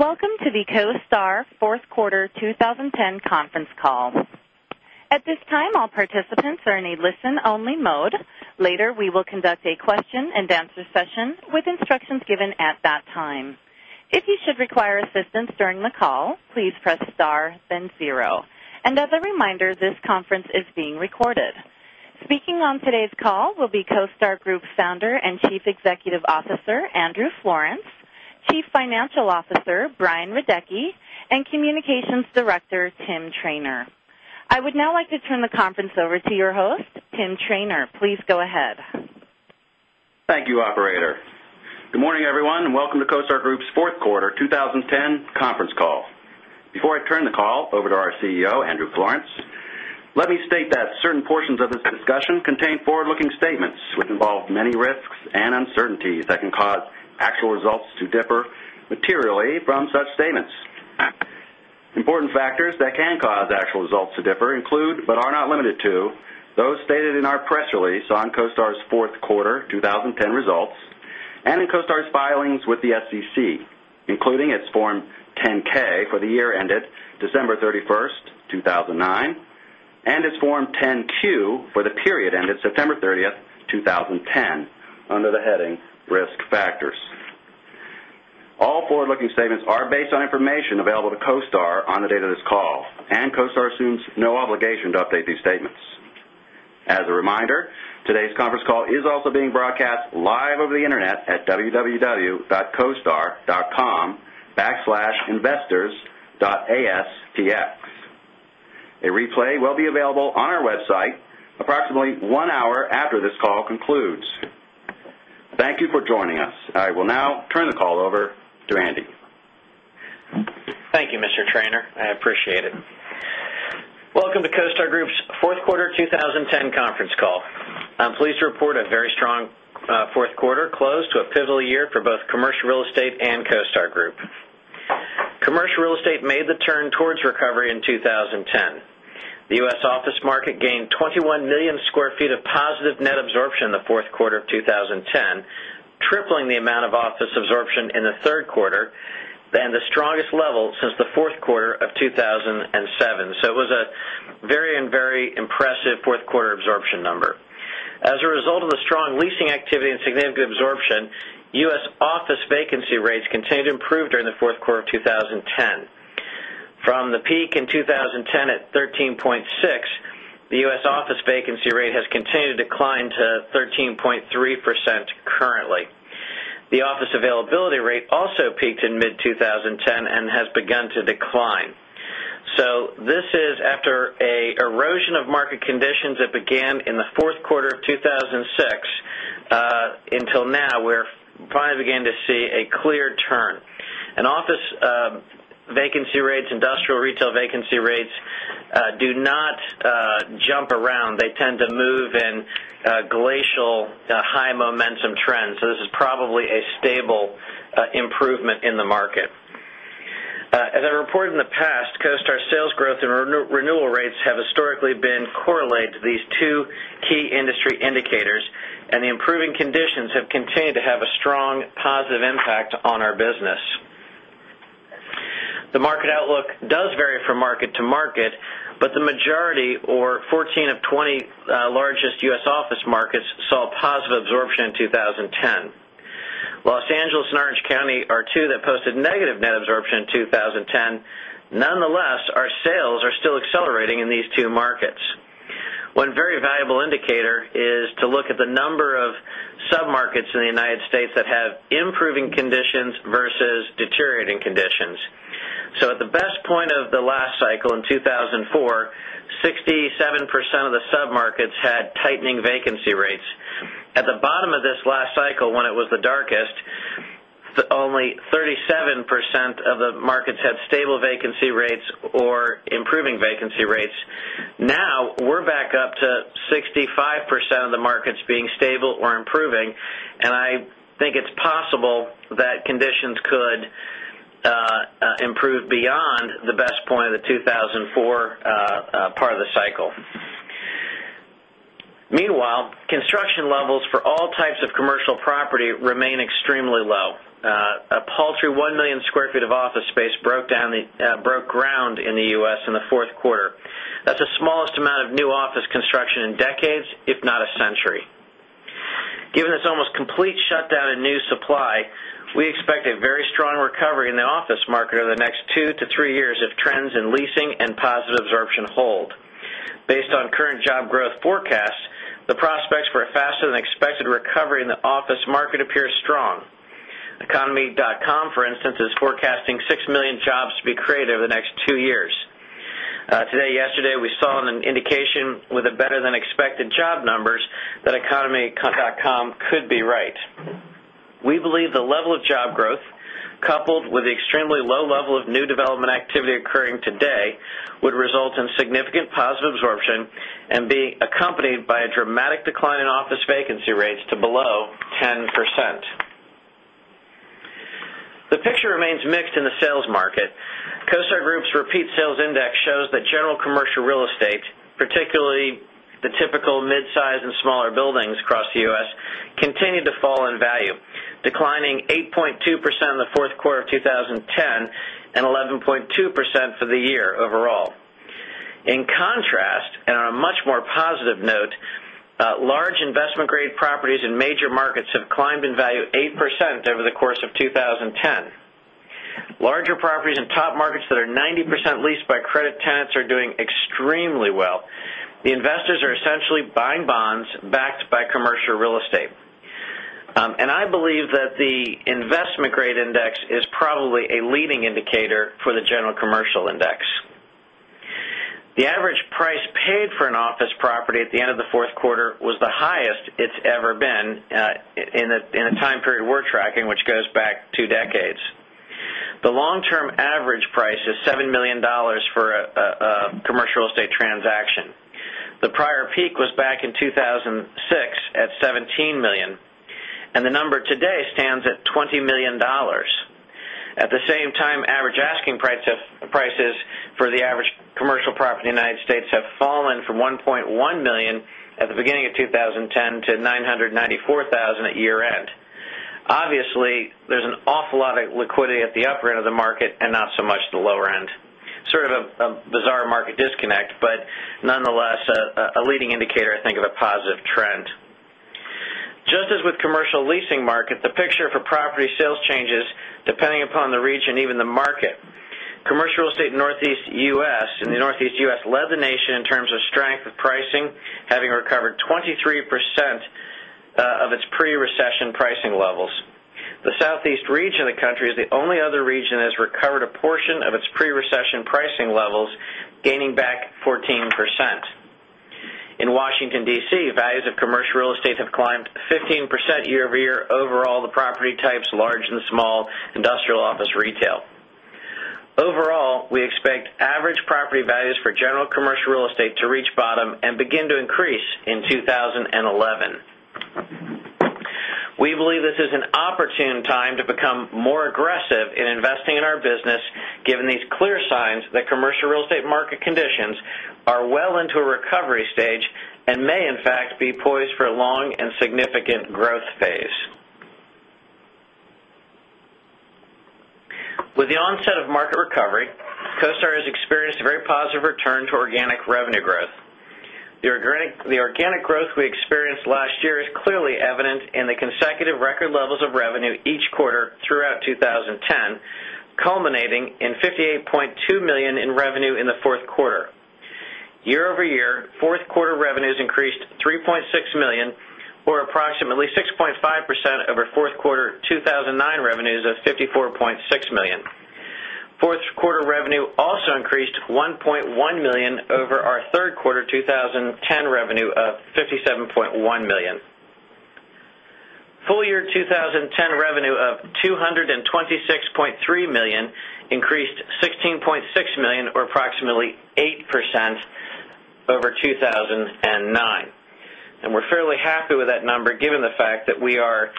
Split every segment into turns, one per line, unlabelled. Welcome to the CoStar 4th Quarter 2010 Conference Call. At this time, all participants are in a And as a reminder, this conference is being recorded. Speaking on today's call will be CoStar Group's Founder and Chief Executive Officer, Andrew Florence Chief Financial Officer, Brian Radecki and Communications Director, Tim Trainor. I would now like to turn the conference over to your host, Tim Treanor. Please go ahead.
Thank you, operator. Good morning, everyone, and welcome to CoStar Group's 4th quarter 2010 conference call. Before I turn the call over to our CEO, Andrew Florence, let me state that certain portions of this discussion contain forward looking statements, which involve many risks and uncertainties that can cause actual results to differ materially from such statements. Important factors that can cause actual results to differ include, but are not limited to, those stated in our press release on CoStar's 4th quarter 2010 results and in CoStar's filings with the SEC, including its Form 10 ks for the year ended December 31, 2009 and its Form 10 Q for the period ended September 30, 2010 under the heading Risk Factors. All forward looking statements are based on information available to CoStar on the date of this call and CoStar assumes no obligation to update these statements. As a reminder, today's conference call is also being broadcast live over the Internet at www.coastar.com/investors. Astx. A replay will be available on our website approximately 1 hour after this call concludes. Thank you for joining us. I will now turn the call over to Andy.
Thank you, Mr. Trainer. I appreciate it. Welcome to CoStar Group's Q4 2010 conference call. I'm pleased to report a very strong Q4 close to a pivotal year for both Commercial Real estate and CoStar Group. Commercial real estate made the turn towards recovery in 2010. The U. S. Office market gained 21,000,000 square feet of positive net absorption in the Q4 of 2010, tripling the amount of office absorption in the 3rd quarter and the strongest level since the Q4 of 2007. So it was a very, very impressive 4th quarter absorption number. As a result of the strong leasing activity and significant absorption, U. S. Office vacancy rates continued to improve during the Q4 of 2010. From the peak in 2010 at 13.6%, the U. S. Office vacancy rate has continued to decline to 13.3% currently. The office availability rate also peaked in mid-twenty 10 and has begun to decline. So this is after a erosion of market conditions that began in the Q4 of 2,006 until now we're finally beginning to see a clear turn. And office vacancy rates, industrial retail vacancy rates do not jump around. They tend to move in glacial high momentum trends. So this is probably a stable improvement in the market. As I reported in the past, CoStar sales growth and renewal rates have historically been correlated to these two key industry indicators and the improving conditions have continued to have a strong positive impact on our business. The market outlook does vary from market to market, but the majority or 14 of 20 largest U. S. Office markets saw positive absorption in 2010. Los Angeles and Orange County are 2 that posted negative net absorption in 2010. Nonetheless, our sales are still accelerating in these two markets. One very valuable indicator is to look at the number of submarkets in the United States that have improving conditions versus deteriorating conditions. So at the best point of the last cycle in 2,004, 67% of the submarkets had tightening vacancy rates. At the bottom of this last cycle when it was the darkest, only 37% of the markets had stable vacancy rates or improving vacancy rates. Now we're back up to 65% of the markets being stable or improving. And I think it's possible that conditions could improve beyond the best point of the 2,004 part of the cycle. Meanwhile, construction levels for all types of commercial property remain extremely low. A paltry 1,000,000 square feet of office space broke down broke ground in the U. S. In the Q4. That's the smallest amount of new office construction in decades, if not a century. Given this almost complete shutdown in new supply, we expect a very strong recovery in the office market over the next 2 to 3 years if trends in leasing and positive absorption hold. Based on current job growth forecasts, the prospects for a faster than expected recovery in the office market appears strong. Economy.com, for instance, is forecasting 6,000,000 jobs to be created over the next 2 years. Today, yesterday, we saw an indication with a better than expected job numbers that economy.com could be right. We believe the level of job growth coupled with the extremely low level of new development activity occurring today would result in significant positive absorption and be accompanied by a dramatic decline in office vacancy rates to below 10%. The picture remains mixed in the sales market. CoStar Group's repeat sales index shows that general commercial real estate, particularly the typical midsize and smaller buildings across the U. S. Continued to fall in value, declining 8.2% in the Q4 of 2010 11.2% for the year overall. In contrast and on a much more positive note, large investment grade properties in major markets have climbed in value 8% over the course of 2010. Larger properties in top markets that are 90% leased by credit tenants are doing extremely well. The investors are essentially buying bonds backed by commercial real estate. And I believe that the investment grade index is probably a leading indicator for the general commercial index. The average price paid for an office property at the end of the 4th quarter was the highest it's ever in a time period we're tracking, which goes back 2 decades. The long term average price is $7,000,000 for a commercial estate transaction. The prior peak was back in 2006 at $17,000,000 and the number today stands at $20,000,000 At the same time, average asking prices for the average commercial property in United States have fallen from $1,100,000 at the beginning of 2010 to $994,000 at year end. Obviously, there's an awful lot of liquidity at the upper end of the market and not so much the lower end, sort of a bizarre market disconnect, but nonetheless a leading indicator I think of a positive trend. Just as with commercial leasing market, the picture for property sales changes depending upon the region even the market. Commercial Real Estate in the Northeast U. S. Led the nation in terms of strength of pricing having recovered 23% of its pre recession pricing levels. The Southeast region of the country is the only other region that has recovered a portion of its pre recession pricing levels gaining back 14%. In Washington, D. C, values of commercial real estate have climbed 15% year over year overall the property types large and small industrial office retail. Overall, we expect average property values for general commercial real estate to reach bottom and begin to increase in 2011. We believe this is an opportune time to become more aggressive in investing in our business given these clear signs that commercial real estate market conditions are well into a recovery stage and may in fact be poised for a long and significant growth phase. With the onset of market recovery, CoStar has experienced a very positive return to organic revenue growth. The organic growth we experienced last year is clearly evident in the consecutive record levels of revenue each quarter throughout 2010, culminating in $58,200,000 in revenue in the 4th quarter. Year over year, 4th quarter revenues increased $3,600,000 or approximately 6.5 percent of our 4th quarter 2,009 revenues of 54,600,000 dollars 4th quarter revenue also increased $1,100,000 over our Q3 2010 revenue of 57,100,000 dollars Full year 2010 revenue of $226,300,000 increased $16,600,000 or approximately 8% over 2,009. And we're fairly happy with that number given the fact that we are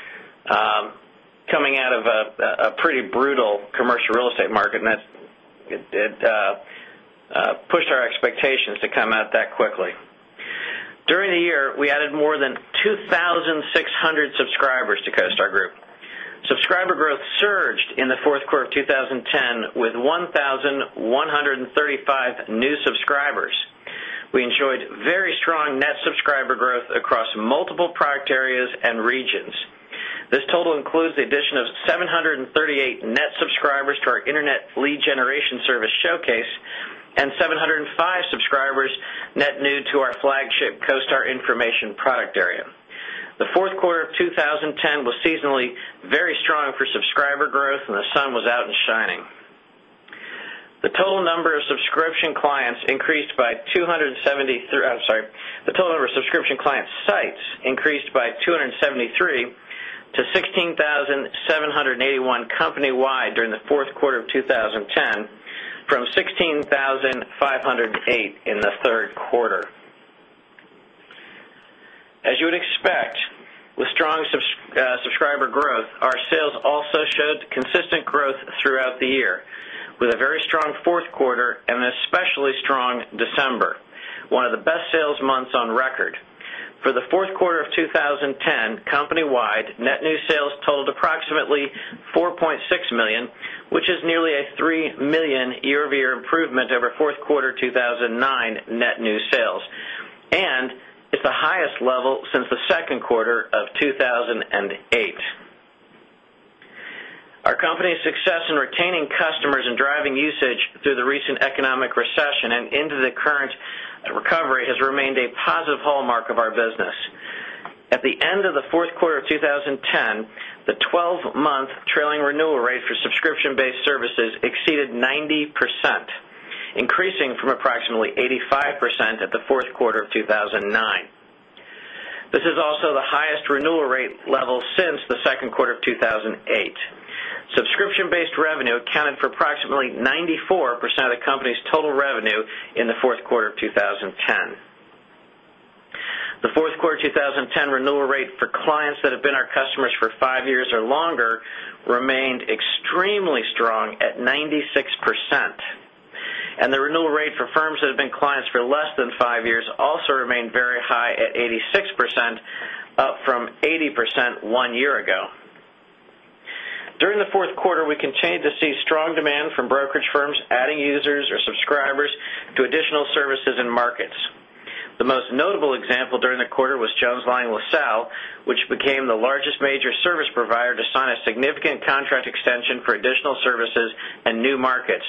coming out of a pretty brutal commercial real estate market and that pushed our expectations to come out that quickly. During the year, we added more than 2,600 subscribers to CoStar Group. Subscriber growth surged in the Q4 of 2010 with 11 35 new subscribers. We enjoyed very strong net subscriber growth across multiple product areas and regions. This total includes the addition of 738 net subscribers to our Internet lead generation service Showcase and 705 subscribers net new to our flagship CoStar information product area. The Q4 of 2010 was seasonally very strong for subscriber growth and the sun was out and shining. The total number of subscription clients increased by 2 73 I'm sorry, the total number of subscription client sites increased by 273 to 16,781 company wide during the Q4 of 2010 from 16,508 in the 3rd quarter. As you would expect, with strong subscriber growth, our sales also showed consistent growth throughout the year, with a very strong Q4 and an especially strong December, one of the best sales months on record. For the Q4 of 2010, company wide net new sales totaled approximately $4,600,000 which is nearly a 3,000,000 dollars year over year improvement over Q4 2019 net new sales and is the highest level since the Q2 of 2,008. Our company's success in retaining customers and driving usage through the recent economic recession and into the current recovery has remained a positive hallmark of our business. At the end of the Q4 of 2010, the 12 month trailing renewal rate for subscription based services exceeded 90%, increasing from approximately 85% at the Q4 of 2,009. This is also the highest renewal rate level since the Q2 of 2,008. Subscription based revenue accounted for approximately 94% the firms that have been clients for less than 5 years also remained very high at 86%, up from 80% 1 year ago. During the Q4, we continued to see strong demand from brokerage firms adding users or subscribers to additional services and markets. The most notable example during the quarter was Jonesline LaSalle, which became the largest major service provider to sign a significant contract extension for additional services and new markets,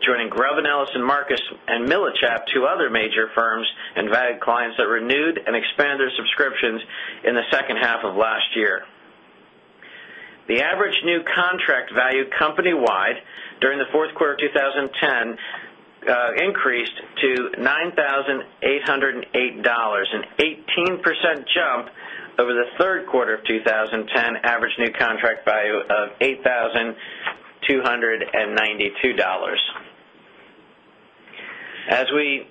joining Grub and Ellison Marcus and Millichap, 2 other major firms and valued clients that renewed and expanded subscriptions in the second half of last year. The average new contract value company wide during the Q4 of 2010 increased to $9,808 an 18% jump over the Q3 of 2010 average new contract value of $8,292 As we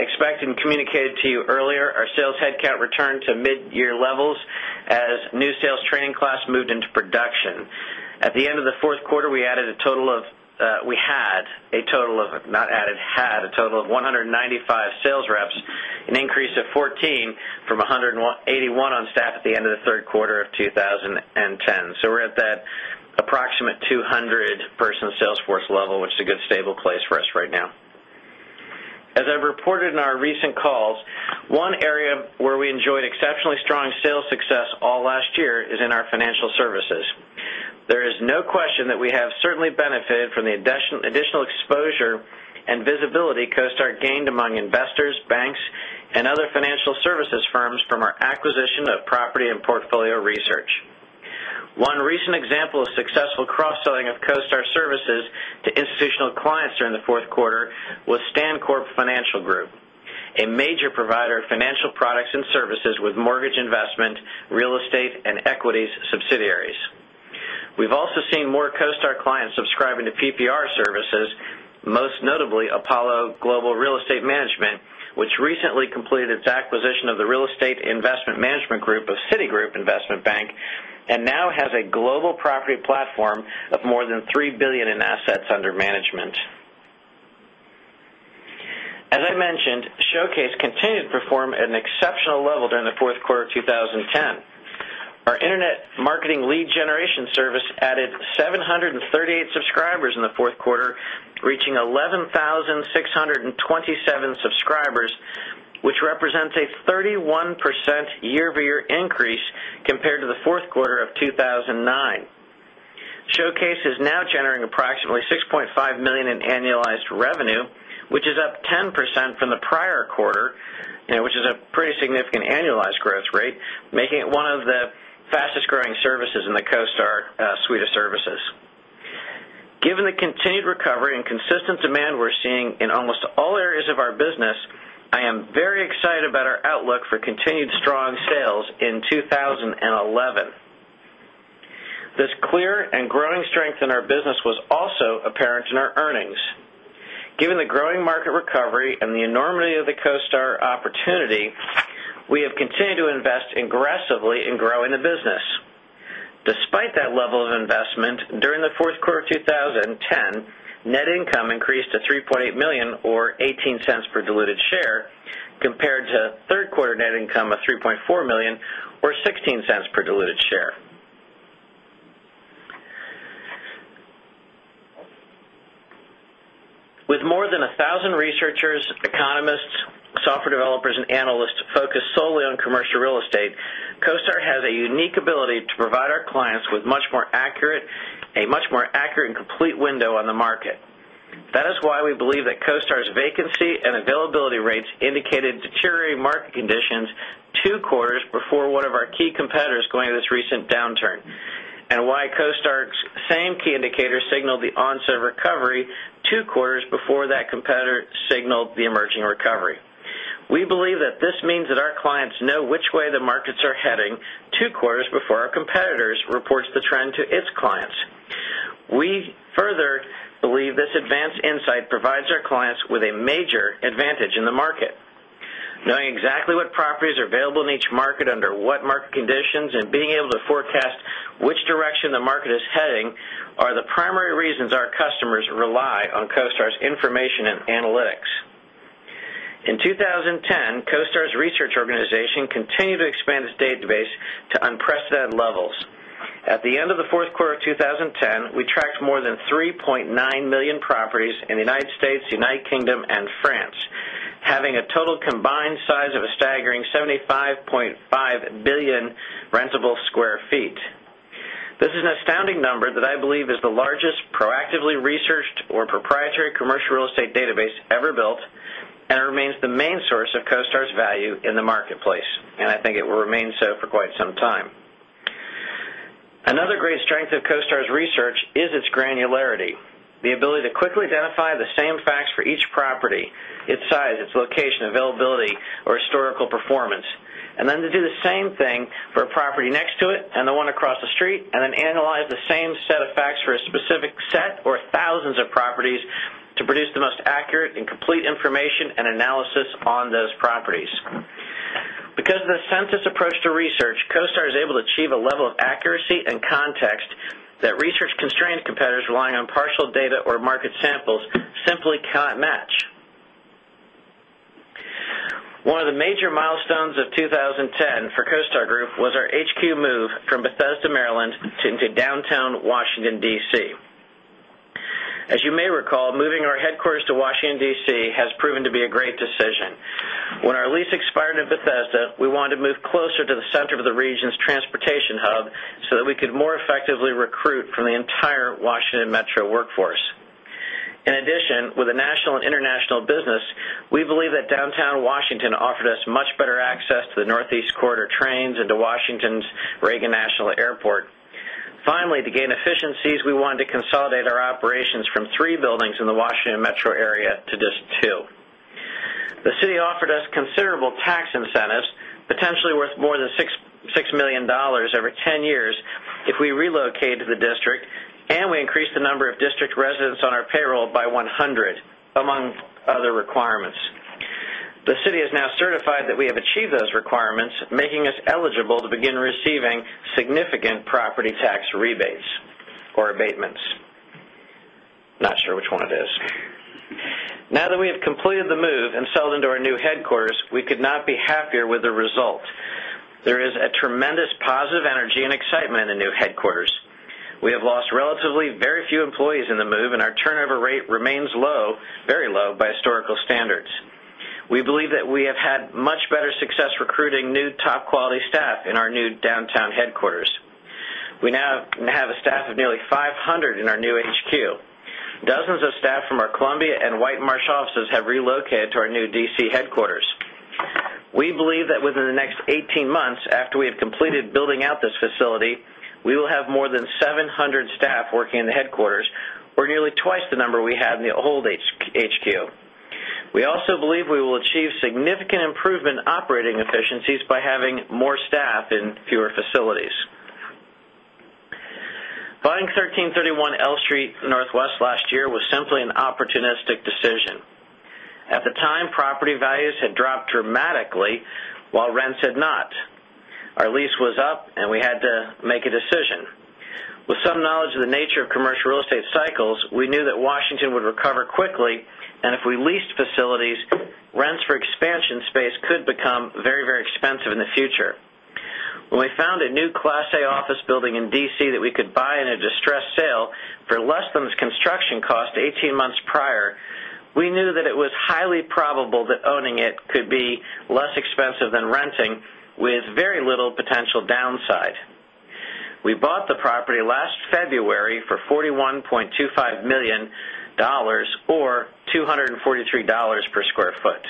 expect and communicated to you earlier, our sales headcount returned to mid year levels as new sales training class moved into production. At the end of the Q4, we added a total of we had a total of not added had a total of 195 sales reps, an increase of 14 from 181 on staff at the end of the Q3 of 2010. So we're at that approximate 200 person sales force level, which is a stable place for us right now. As I've reported in our recent calls, one area where we enjoyed exceptionally strong sales success all last year is in our financial services. There is no question that we have certainly benefited from the additional exposure and visibility CoStar gained among investors, banks and other financial services firms from our acquisition of property and portfolio research. One recent example of successful cross selling of CoStar Services to institutional clients during the Q4 was Stancorp Financial Group, a major provider of financial products and services with mortgage investment, real estate and equities subsidiaries. We've also seen more CoStar clients subscribing to PPR services, most notably Apollo Global Real Estate Management, which recently completed its acquisition of the Real Estate Investment Management Group of Citigroup Investment Bank and now has a global property platform of more than $3,000,000,000 in assets under management. As I mentioned, Showcase continued to perform at an exceptional level during the Q4 2010. Our Internet marketing lead generation service added 738 subscribers in the 4th quarter, reaching 11,627 subscribers, which represents a 31% year over year increase compared to the Q4 of 2,009. Showcase is now generating approximately $6,500,000 in annualized revenue, which is up 10% from the prior quarter, which is a pretty significant annualized growth rate, making it one of the fastest growing services in the CoStar suite of services. Given the continued recovery and consistent demand we're seeing in almost all areas of our business, I am very excited about our outlook for continued strong sales in 2011. This clear and growing strength in our business was also apparent in our earnings. Given the growing market recovery and the enormity of the CoStar opportunity, we have continued to invest aggressively in growing the business. Despite that level of investment, during the Q4 of 2010, net income increased to $3,800,000 or $0.18 per diluted share compared to 3rd quarter net income of 3,400,000 dollars or $0.16 per diluted share. With more than 1,000 researchers, economists, software developers and analysts focused solely on commercial real estate, CoStar has a unique ability to provide our clients with much more accurate a much more accurate and complete window on the market. That is why we believe that CoStar's vacancy and availability rates indicated deteriorating market conditions 2 quarters before one of our key competitors going to this recent downturn and why CoStar's same key indicators signal the onset recovery 2 quarters before that competitor signaled the emerging recovery. We believe that this means that our clients know which way the markets are heading 2 quarters before our competitors reports the trend to its clients. We further believe this advanced insight provides our clients with a major advantage in the market. Knowing exactly what properties are available in each market under what market conditions and being able to forecast which direction the market is heading are the primary reasons our customers rely on CoStar's information and analytics. In 2010, CoStar's research organization continued to expand its database to unprecedented levels. At the end of the Q4 of 2010, we tracked more than 3,900,000 properties in the United States, United Kingdom and France, having a total combined size of a staggering 75,500,000,000 rentable square feet. This is an astounding number that I believe is the largest proactively researched or proprietary commercial real estate database ever built and remains the main source of CoStar's value in the marketplace and I think it will remain so for quite some time. Another great strength of CoStar's research is its granularity, the ability to quickly identify the same facts for each property, its size, its location, availability or historical performance and then to do the same thing for a property next to it and the one across the street and then analyze the same set of facts for a specific set or thousands of properties to produce the most accurate and complete information and analysis on those properties. Because of the census approach to research, CoStar is able to achieve a level of accuracy and context that research constrained competitors relying on partial data or market samples simply cannot match. One of the major milestones of 2010 for CoStar Group was our HQ move from Bethesda, Maryland into Downtown Washington, D. C. As you may recall, moving our headquarters to Washington D. C. Has proven to be a great decision. When our lease expired in Bethesda, we wanted to move closer to the center of the region's transportation hub so that we could more effectively recruit from the entire Washington Metro workforce. In addition, with the national and international business, we believe that downtown Washington offered us much better access to the Northeast Corridor trains and to Washington's Reagan National Airport. Finally, to gain efficiencies, we wanted to consolidate our operations from 3 buildings in the Washington Metro area to just 2. The city offered us considerable tax incentives potentially worth more than $6,000,000 over 10 years if we relocate to the district and we increased the number of district residents on our payroll by 100 among other requirements. The city is now certified that we have achieved those requirements making us eligible to begin receiving significant property tax rebates or abatements. Not sure which one it is. Now that we have completed the move and settled into our new headquarters, we could not be happier with the result. There is a tremendous positive energy and excitement in new headquarters. We have lost relatively very few employees in the move and our turnover rate remains low, very low by historical standards. We believe that we have had much better success recruiting new top quality staff in our new downtown headquarters. We now have a staff of nearly 500 in our new HQ. Dozens of staff from our Columbia and White Marsh offices have relocated to our new DC headquarters. We believe that within the next 18 months after we have completed building out this facility, we will have more than 700 staff working in the headquarters or nearly twice the number we had in the old HQ. We also believe we will achieve significant improvement in operating efficiencies by having more staff in fewer facilities. Buying 1331 L Street Northwest last year was simply an opportunistic decision. At the time, property values had dropped dramatically, while rents had not. Our lease was up and we had to make a decision. With some knowledge of the nature of commercial real estate cycles, we knew that Washington would recover quickly and if we leased facilities, rents for expansion space could become very, very expensive in the future. When we found a new Class A office building in D. C. That we could buy in a distressed sale for less than its construction cost 18 months prior, we knew that it was highly probable that owning it could be less expensive than renting with very little potential downside. We bought the property last February for 41,250,000 dollars or $2.43 per square foot.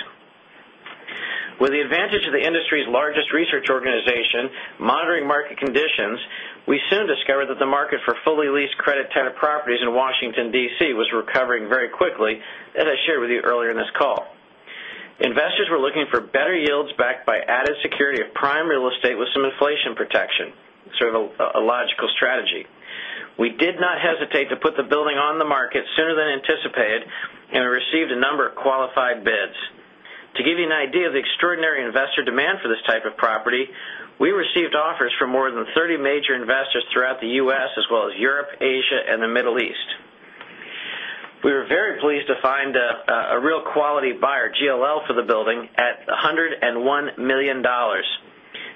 With the advantage of the industry's largest research organization monitoring market conditions, we soon discovered that the market for fully leased credit tenant properties in Washington D. C. Was recovering very quickly as I shared with you earlier in this call. Investors were looking for better yields backed by added security of prime real estate with some inflation protection, sort of a logical strategy. We did not hesitate to put the building on the market sooner than anticipated and received a number of qualified bids. To give you an idea of the extraordinary investor demand for this type of property, we received offers from more than 30 major investors throughout the U. S. As well as Europe, Asia and the Middle East. We were very pleased to find a real quality buyer GLL for the building at $101,000,000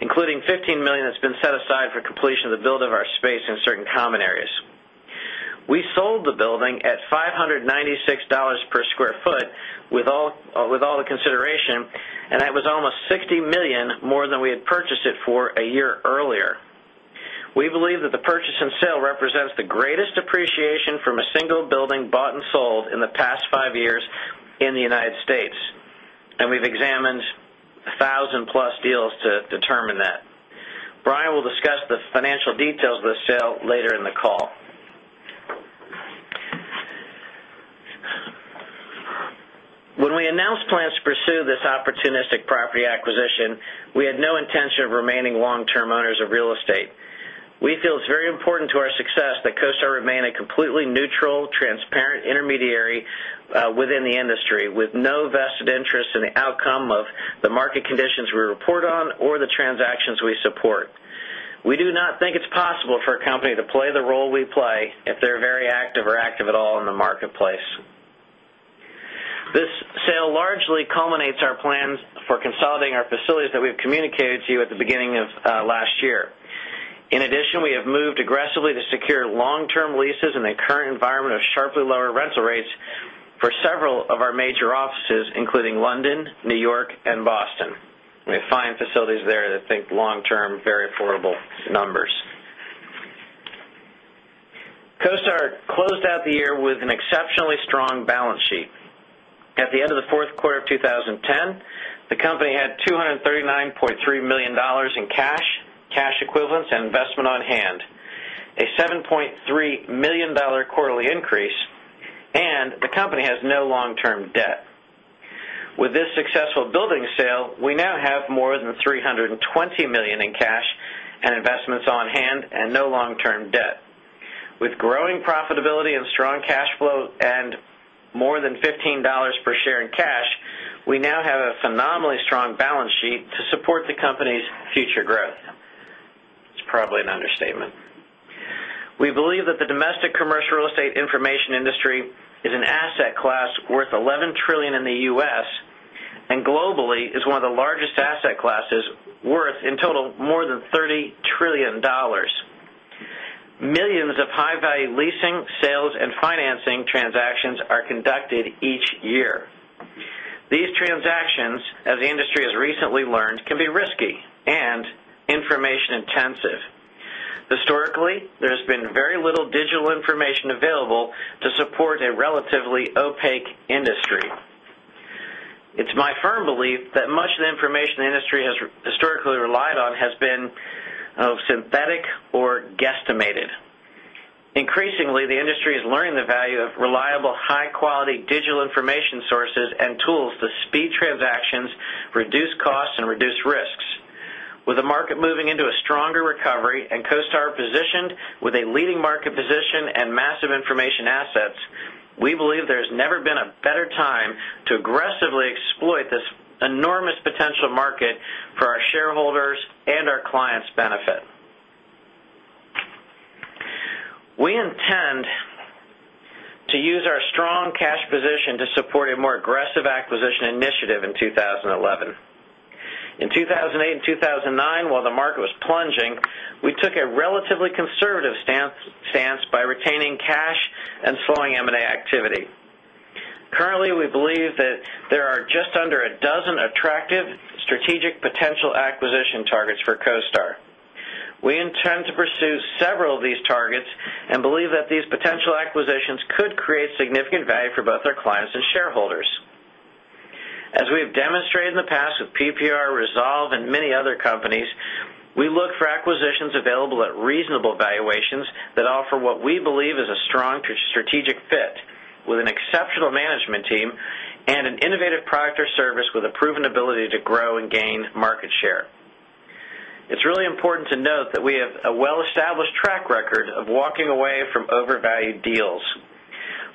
including $15,000,000 that's been set aside for completion of the build of our space in certain common areas. We sold the building at $5.96 per square foot with all the consideration and that was almost $60,000,000 more than we had purchased it for a year earlier. We believe that the purchase and sale represents the greatest appreciation from a single building bought and sold in the past 5 years in the United States, and we've examined 1,000 plus deals to determine that. Brian will discuss the financial details of the sale later in the call. When we announced plans to pursue this opportunistic property acquisition, we had no intention of remaining long term owners of real estate. We feel it's very important to our success that CoStar remain a completely neutral, transparent intermediary within the industry with no vested interest in the outcome of the market conditions we report on or the transactions we support. We do not think it's possible for a company to play the role we play if they're very active or active at all in the marketplace. This sale largely culminates our plans for consolidating our facilities that we've communicated to you at the beginning of last year. In addition, we have moved aggressively to secure long term leases in the current environment of sharply lower rental rates for several of our major offices, including London, New York and Boston. We find facilities there that think long term very affordable numbers. CoStar closed out the year with an exceptionally strong balance sheet. At the end of the Q4 of 2010, the company had $239,300,000 in cash, cash equivalents and investment on hand, a $7,300,000 quarterly increase and the company has no long term debt. With this successful building sale, we now have more than $320,000,000 in cash and investments on hand and no long term debt. With growing profitability and strong cash flow and more than $15 per share in cash, we now have a phenomenally strong balance sheet to support the company's future growth. It's probably an understatement. We believe that the domestic commercial real estate information industry is an asset class worth $11,000,000,000,000 in the U. S. And globally is one of the largest asset classes worth in total more than $30,000,000,000,000 Millions of high value leasing, sales and financing transactions are conducted each year. These transactions, as the industry has recently learned can be risky and information intensive. Historically, there has been very little digital information available to support a relatively opaque industry. It's my firm belief that much of the information the industry has historically relied on has been synthetic or guesstimated. Increasingly, the industry is learning the value of reliable high quality digital information sources and tools to speed transactions, reduce costs and reduce risks. With the market moving into a stronger recovery and CoStar positioned with a leading market position and massive information assets, we believe there's never been a better time to aggressively exploit this enormous potential market for our shareholders and our clients' benefit. We intend to use our strong cash position to support a more aggressive acquisition initiative in 2011. In 2008 and 2009, while the market was plunging, we took a relatively conservative stance by retaining cash and slowing M and A activity. Currently, we believe that there are just under a dozen attractive strategic potential acquisition targets for CoStar. We intend to pursue several of these targets and believe that these potential acquisitions could create significant value for both our clients and shareholders. As we've demonstrated in the past with PPR, Resolve and many other companies, we look for acquisitions available at reasonable valuations that offer what we believe is a strong strategic fit with an exceptional management team and an innovative product or service with a proven ability to grow and gain market share. It's really important to note that we have a well established track record of walking away from overvalued deals.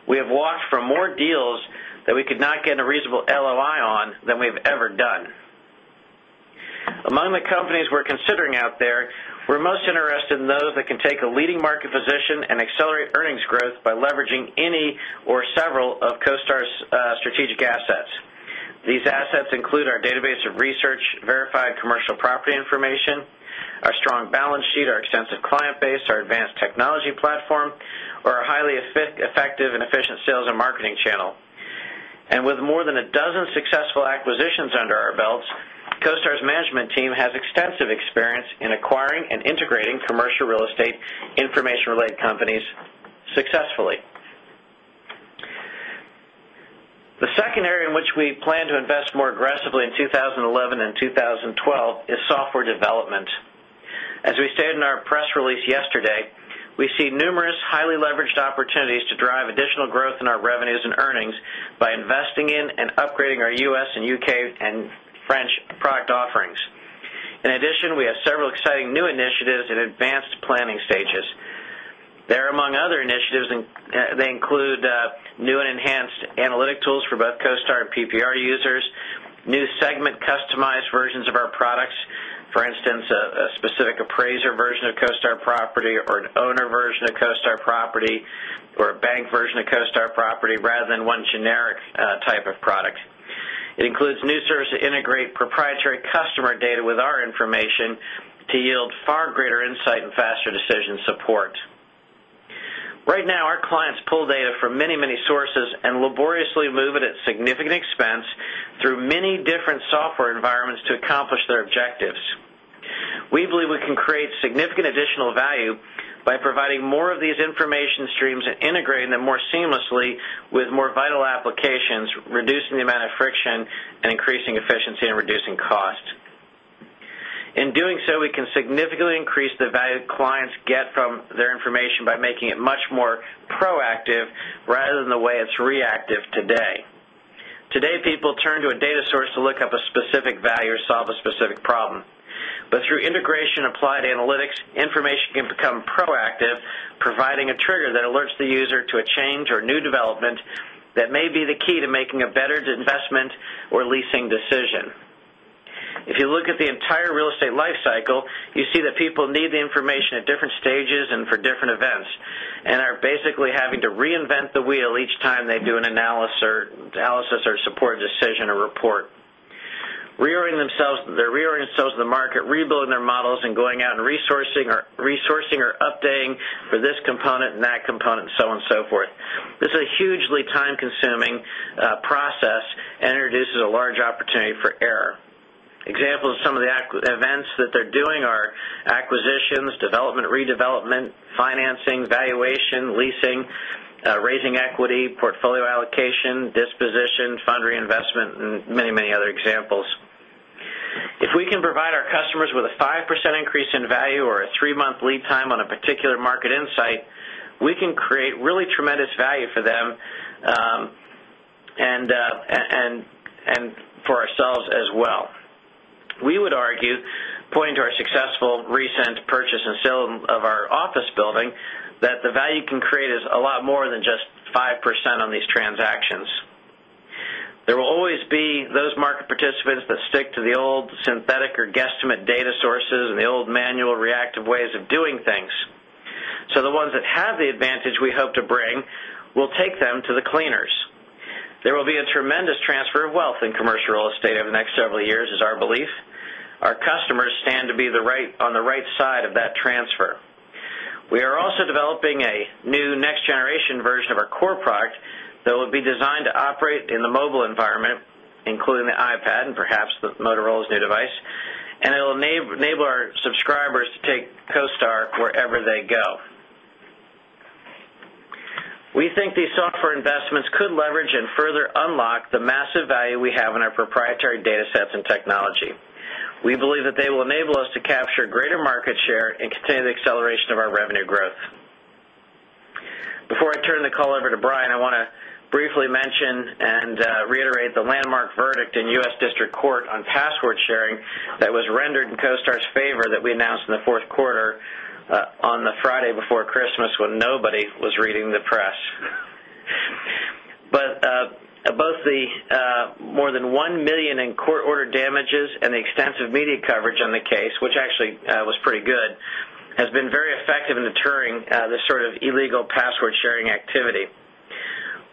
We have watched for more deals that we could not get a reasonable LOI on than we've ever done. Among the companies we're considering out there, we're most interested in those that can take a leading market position and accelerate earnings growth by leveraging any or several of CoStar's strategic assets. These assets include our database of research, verified commercial property information, our strong balance sheet, our extensive client base, our advanced technology platform or a highly effective and efficient sales and marketing channel. And with more than a dozen successful acquisitions under our belts, CoStar's management team has extensive experience in acquiring and integrating commercial real estate information related companies successfully. The second area in which we plan to invest 11 2012 is software development. As we stated in our press release yesterday, we see numerous highly leveraged opportunities to drive additional growth in our revenues and earnings by investing in and upgrading our U. S. And U. K. And French product offerings. In addition, we have several exciting new initiatives in advanced planning stages. There among other initiatives, they include new and enhanced analytic tools for both CoStar and PPR users, new segment customized versions of our products, for instance, a specific appraiser version of CoStar property or an owner version of CoStar property or a bank version of CoStar property rather than one generic type of product. It includes new service to integrate proprietary customer data with our information to yield far greater insight and faster decision support. Right now, our clients pull data from many, many sources and laboriously move it at significant expense through many different software environments to accomplish their objectives. We believe we can create significant additional value by providing more of these information streams and integrating them more seamlessly with more vital applications, reducing the amount of friction and increasing efficiency and reducing cost. In doing so, we can significantly increase the value clients get from their information by making it much more proactive rather than the way it's reactive today. Today, people turn to a data source to look up a specific value or solve a specific problem. But through integration applied analytics, information can become proactive, providing a trigger that alerts the user to a change or new development that may be the key to making a better investment or leasing decision. If you look at the entire real estate lifecycle, you see that people need the information at different stages and for different events and are basically having to reinvent the wheel each time they do an analysis or support decision or report. They're reorienting themselves to the market, rebuilding their models and going out and resourcing or updating for this component and that component and so on and so forth. This is a hugely time consuming process and introduces a large opportunity for error. Examples
of some
of the events that they're doing are acquisitions, development, redevelopment, financing, valuation, leasing, raising equity, portfolio allocation, disposition, fund reinvestment and many, many other examples. If we can provide our customers with a 5% increase in value or a 3 month lead time on a particular market sight, we can create really tremendous value for them and for ourselves as well. We would argue, pointing to our successful recent purchase and sale of our office building that the value can create is a lot more than just 5% on these transactions. There will always be those market participants that stick to the old synthetic or guesstimate data sources and the old manual reactive ways of doing things. So the ones that have the advantage we hope to bring will take them to the cleaners. There will be a tremendous transfer of wealth in commercial real estate over the next several years is our belief. Our customers stand to be on the right side of that transfer. We are also developing a new next generation version of our core product that will be designed to operate in the mobile environment, including the iPad and perhaps the Motorola's new device and it will enable our subscribers to take CoStar wherever they go. We think these software investments could leverage and further unlock the massive value we have in our proprietary datasets and technology. We believe that they will enable us to capture greater market share and continue the acceleration of
our revenue
growth. Before I turn the call over to Brian, I want to briefly mention and reiterate the landmark verdict in U. S. District Court on password sharing that was rendered in CoStar's favor that we announced in the Q4 on the Friday before Christmas when nobody was reading the press. But both the more than $1,000,000 in court order damages and the extensive media coverage on the case, which actually was pretty good, has been very effective in deterring the sort of illegal password sharing activity.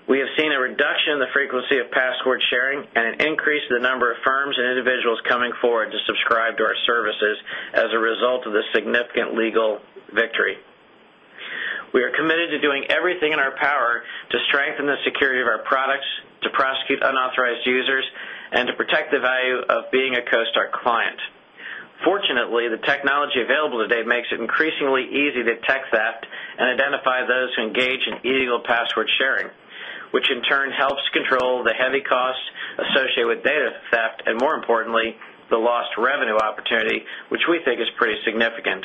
We have seen a reduction in the frequency of password sharing and an increase in the number of firms and individuals coming forward to subscribe to our services as a result of the significant legal victory. We are committed to doing everything in our power to strengthen the security of our products, to prosecute unauthorized users and to protect the value of being a CoStar client. Fortunately, the technology available today makes it increasingly easy to text that and identify those who engage in illegal password sharing, which in turn helps control the heavy costs associated with data theft and more importantly, the lost revenue opportunity, which we think is pretty significant.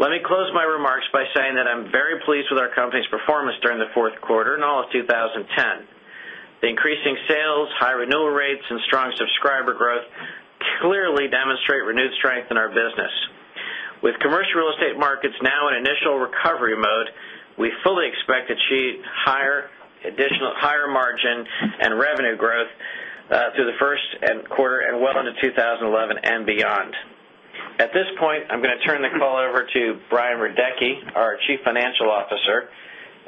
Let me close my remarks by saying that I'm very pleased with our company's performance during the 4th quarter in all of 2010. The increasing sales, high renewal rates and strong subscriber growth clearly demonstrate renewed strength in our business. With commercial real estate markets now in initial recovery mode, we fully expect to achieve higher additional higher margin and revenue growth through the Q1 and well into 2011 beyond. At this point, I'm going to turn the call over to Brian Radecki, our Chief Financial Officer,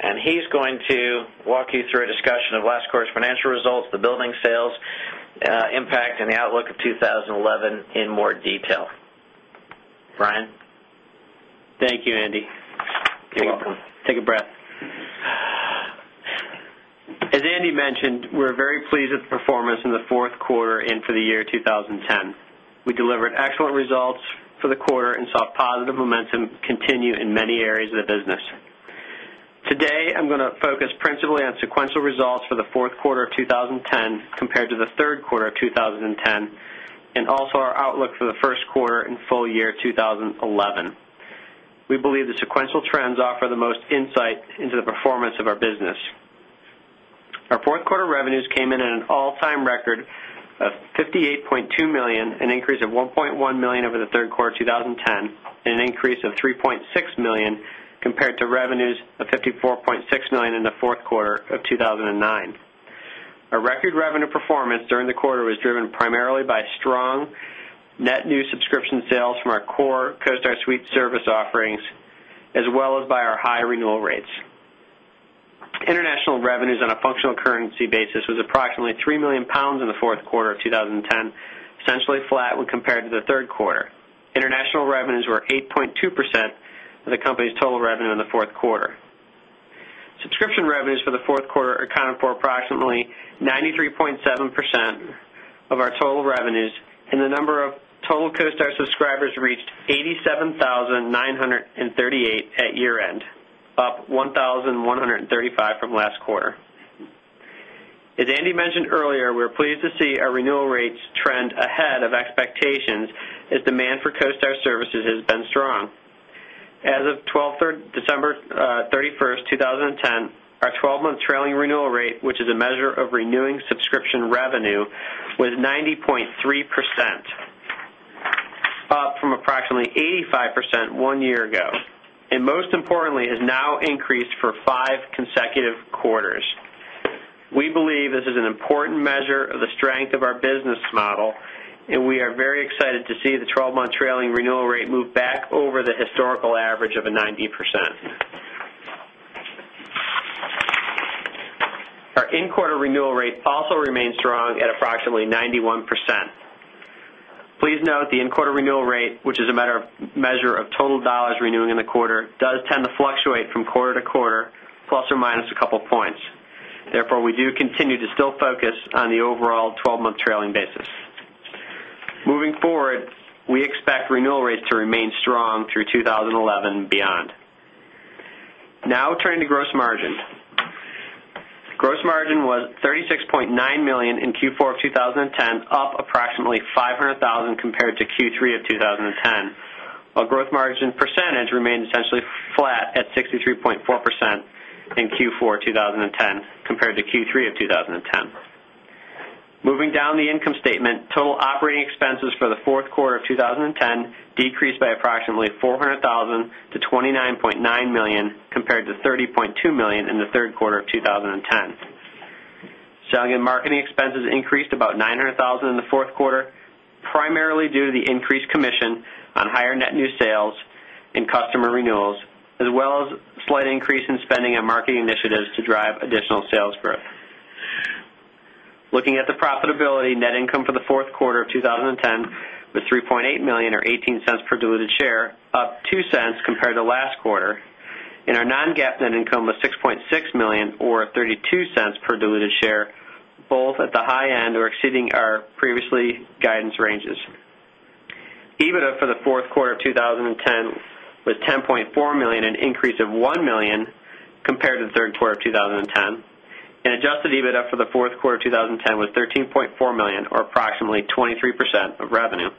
and he's going to walk you through a discussion of last quarter's financial results, the building sales impact and the outlook of 2011 in more detail. Brian? Thank you, Andy. Take a breath. As Andy mentioned, we're very pleased with performance in the Q4 and for the year 2010. We delivered excellent results for the quarter and saw positive momentum continue in many areas of the business. Today, I'm going to focus principally on sequential results for the Q4 of 2010 compared to the Q3 of 2010 and also our outlook for the Q1 and full year 2011. We believe the sequential trends offer the most insight into the performance of our business. Our 4th quarter revenues came in at an all time record of $58,200,000 an increase of $1,100,000 over the Q3 of 2010 and an increase of $3,600,000 compared to revenues of $54,600,000 in the Q4 of 2,009. Our record revenue performance during the quarter was driven primarily by strong net new subscription sales from our core CoStar Suite service offerings as well as by our high renewal rates. International revenues on a functional currency basis was approximately £3,000,000 in the Q4 of 2010, essentially flat when compared to the 3rd quarter. International revenues were 8.2% of the company's total revenue in the 4th quarter. Subscription revenues for the 4th quarter accounted for approximately 93.7% of our total revenues and the number of total CoStar subscribers reached 87,938 at year end, up 11.35 from last quarter. As Andy mentioned earlier, we are pleased to see our renewal rates trend ahead of expectations as demand for CoStar services has been strong. As of December 31, 2010, our 12 month trailing renewal rate, which is a measure of renewing subscription revenue, was 90.3%, up from approximately 85% 1 year ago and most importantly has now increased for 5 consecutive quarters. We believe this is an important measure of the strength of our business model and we are very excited to see the 12 month trailing renewal rate move back over in quarter renewal rate also remained strong at approximately 91%. Please note the in quarter renewal rate, which is a measure of total dollars renewing in the quarter, does tend to fluctuate from quarter to quarter plus or minus a couple of points. Therefore, we do continue to still focus on the overall 12 month trailing basis. Moving forward, we expect renewal rates to remain strong through 2011 beyond. Now turning to gross margin. Gross margin was $36,900,000 in Q4 of 2010, up approximately $500,000 compared to Q3 of 2010, while gross margin percentage remained essentially flat at 63.4% in Q4 2010 compared to Q3 of 2010. Moving down the income statement, total operating expenses for the Q4 of 2010 decreased by approximately $400,000 to $29,900,000 compared to $30,200,000 in the Q3 of 2010. Selling and marketing expenses increased about $900,000 in the 4th quarter, primarily due to the increased commission on higher net new sales and customer renewals as well as slight increase in spending and marketing initiatives to drive additional sales growth. Looking at the profitability, net income for the Q4 of 2010 was $3,800,000 or $0.18 per diluted share, up $0.02 compared to last quarter and our non GAAP net income was $6,600,000 or $0.32 per diluted share, both at the high end or exceeding our previously guidance ranges. EBITDA for the Q4 of 2010 was $10,400,000 an increase of $1,000,000 compared to the Q3 of 2010. And adjusted EBITDA for the Q4 of 2010 was $13,400,000 or approximately 23% of revenue.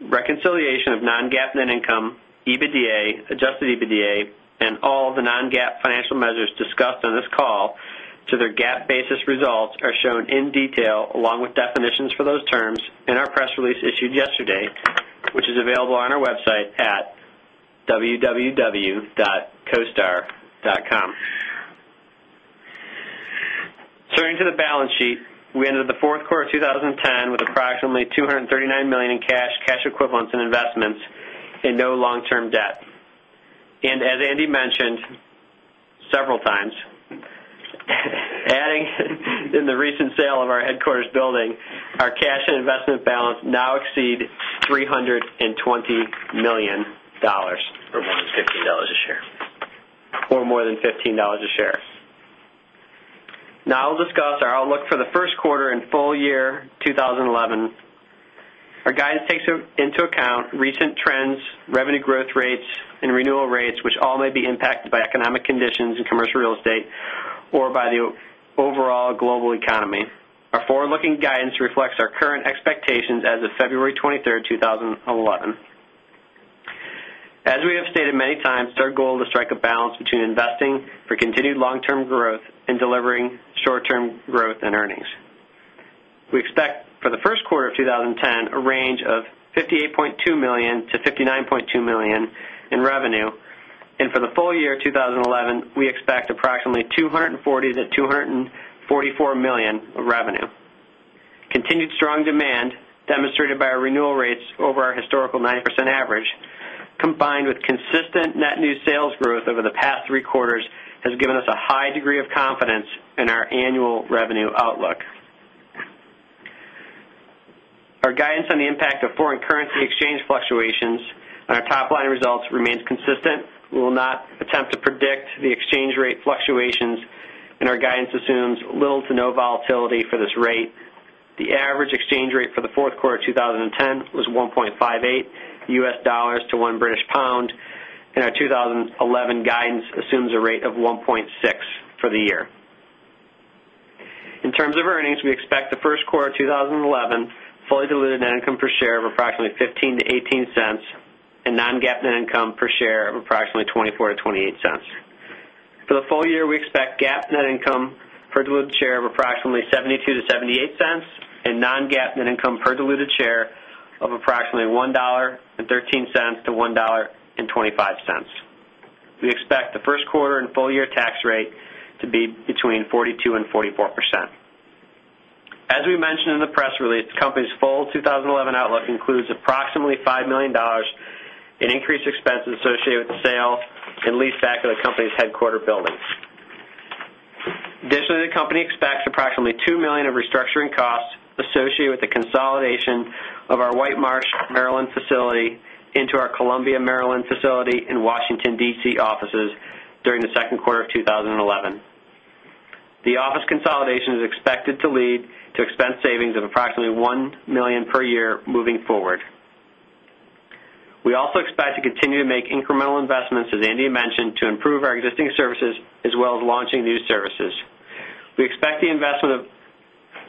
Reconciliation of non GAAP net income, EBITDA, adjusted EBITDA and all the non GAAP financial measures discussed on this call to their GAAP basis results are shown in detail along with definitions for those terms in our press release issued yesterday, which is available on our website at www.coastar.com. Turning to the balance sheet. We ended the Q4 of 2010 with approximately $239,000,000 in cash, cash equivalents and investments and no long term debt. And as Andy mentioned several times, adding in the recent sale of our headquarters building, our cash and investment balance now exceed $320,000,000 Or more than $15 a share. Or more than $15 a share. Now I'll discuss our outlook for the Q1 and full year 2011. Our guidance takes into account recent trends, revenue growth rates and renewal rates, which all may be impacted by economic conditions in commercial real estate or by the overall global economy. Our forward looking guidance reflects our current expectations as of February 23, 2011. As we have stated many times, our goal is to strike a balance between investing for continued long term growth and delivering short term growth in earnings. We expect for the Q1 of 2010 a range of $58,200,000 to $59,200,000 in revenue and for the full year 2011, we expect approximately $240,000,000 to $244,000,000 of revenue. Continued strong demand demonstrated by our renewal rates over our historical 9% average combined with consistent net new sales growth over the past 3 quarters has given us a high degree of confidence in our annual revenue outlook. Our guidance on the impact of foreign currency exchange fluctuations and our top line results remains consistent. We will not attempt to predict the exchange rate fluctuations and our guidance assumes little to no volatility for this rate. The average exchange rate for the Q4 of 2010 was 1.58 dollars to 1 British pound and our 2011 guidance assumes a rate of 1.6 for the year. In terms of earnings, we expect the Q1 of 2011 fully diluted net income per share of approximately $0.15 to $0.18 and non GAAP net income per share of approximately $0.24 to $0.28 For the full year, we expect GAAP net income per diluted share of approximately $0.72 to $0.78 and non GAAP net income per diluted share of approximately $1.13 to 1 point $2.5 We expect the Q1 and full year tax rate to be between 42% 44%. As we mentioned in the press release, company's full 2011 outlook includes approximately $5,000,000 in increased expenses associated with the sale and leaseback of the company's headquarter buildings. Additionally, the company expects approximately $2,000,000 of restructuring costs associated with the consolidation of our White Marsh, Maryland facility into our Columbia, Maryland facility in Washington DC offices during the Q2 of 2011. The office consolidation is expected to lead to expense savings of approximately $1,000,000 per year moving forward. We also expect to continue to make incremental investments, as Andy mentioned, to improve our existing services as well as launching new services. We expect the investment of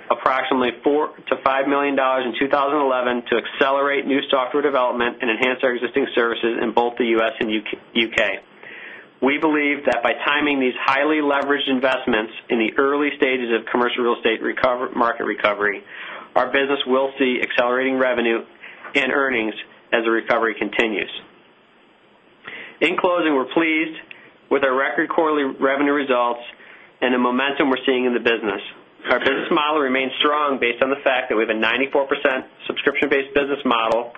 approximately $4,000,000 to $5,000,000 in 20.11 to accelerate new software development and enhance our existing services in both the U. S. And U. K. We believe that by timing these highly leveraged investments in the early stages of commercial real estate market recovery, our business will see accelerating revenue and earnings as the recovery continues. In closing, we're pleased with our record quarterly revenue results and the momentum we're seeing in the business. Our business model remains strong based on the fact that we have a 94% subscription based business model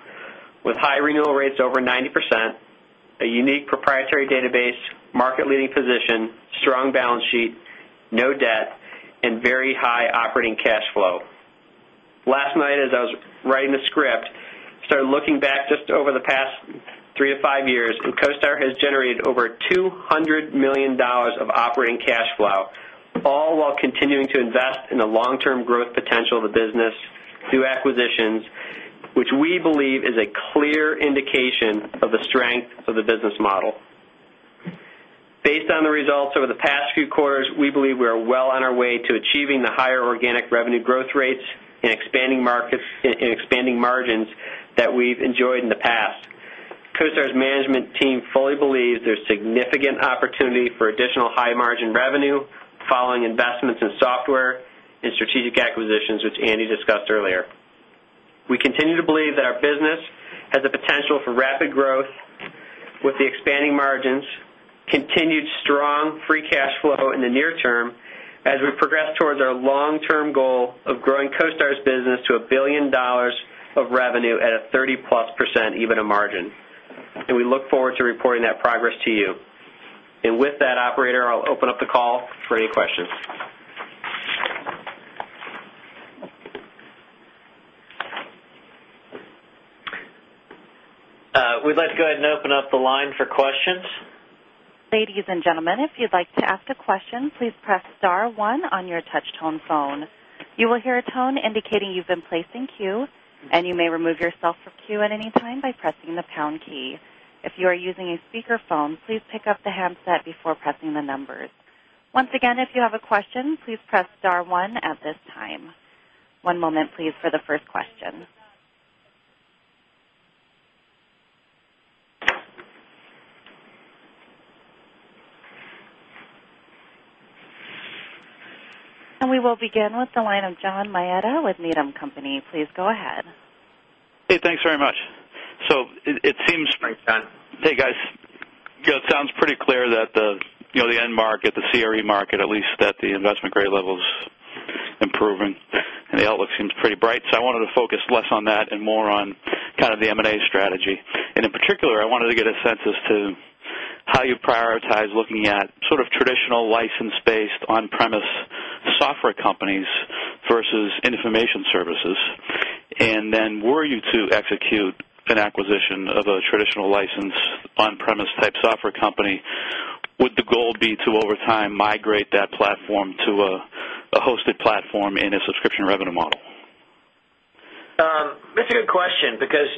with high renewal rates over 90%, a unique proprietary database, market leading position, strong balance sheet, no debt and very high operating cash flow. Last night, as I was writing the script, started looking back just over the past 3 years or 5 years and CoStar has generated over $200,000,000 of operating cash flow, all while continuing to invest in the long term growth potential of the business through acquisitions, which we believe is a clear indication of the strength of the business model. Based on the results over the past few quarters, we believe we are well on our way to achieving the higher organic revenue growth rates and expanding markets and expanding margins that we've enjoyed in the past. CoStar's management team fully believes there's significant opportunity for additional high margin revenue following investments in software and strategic acquisitions, which Andy discussed earlier. We continue to believe that our business has the potential for rapid growth with the expanding margins, continued strong free cash flow in the near term as we progress towards our long term goal of growing CoStar's business to $1,000,000,000 of revenue at a 30 plus percent EBITDA margin. And we look forward to reporting that progress to you. And with that, operator, I'll open up the call for any questions. We'd like to go ahead and open up the line for questions.
And we will begin with the line of John Maeda with Needham and Company. Please go ahead.
Hey, thanks very much. So it seems Hi, John. Hey, guys. It sounds pretty clear that the end market, the CRE market, at least that the investment grade level is improving and the outlook seems pretty bright. So I wanted to focus less on that and more on kind of the M and A strategy. And in particular, I wanted to get a sense as to how you prioritize looking at sort of traditional license based on premise software companies versus information services? And then were you to execute an acquisition of a traditional license on premise type software company, would the goal be to over time migrate that platform to a hosted platform in a subscription revenue model?
It's a good question because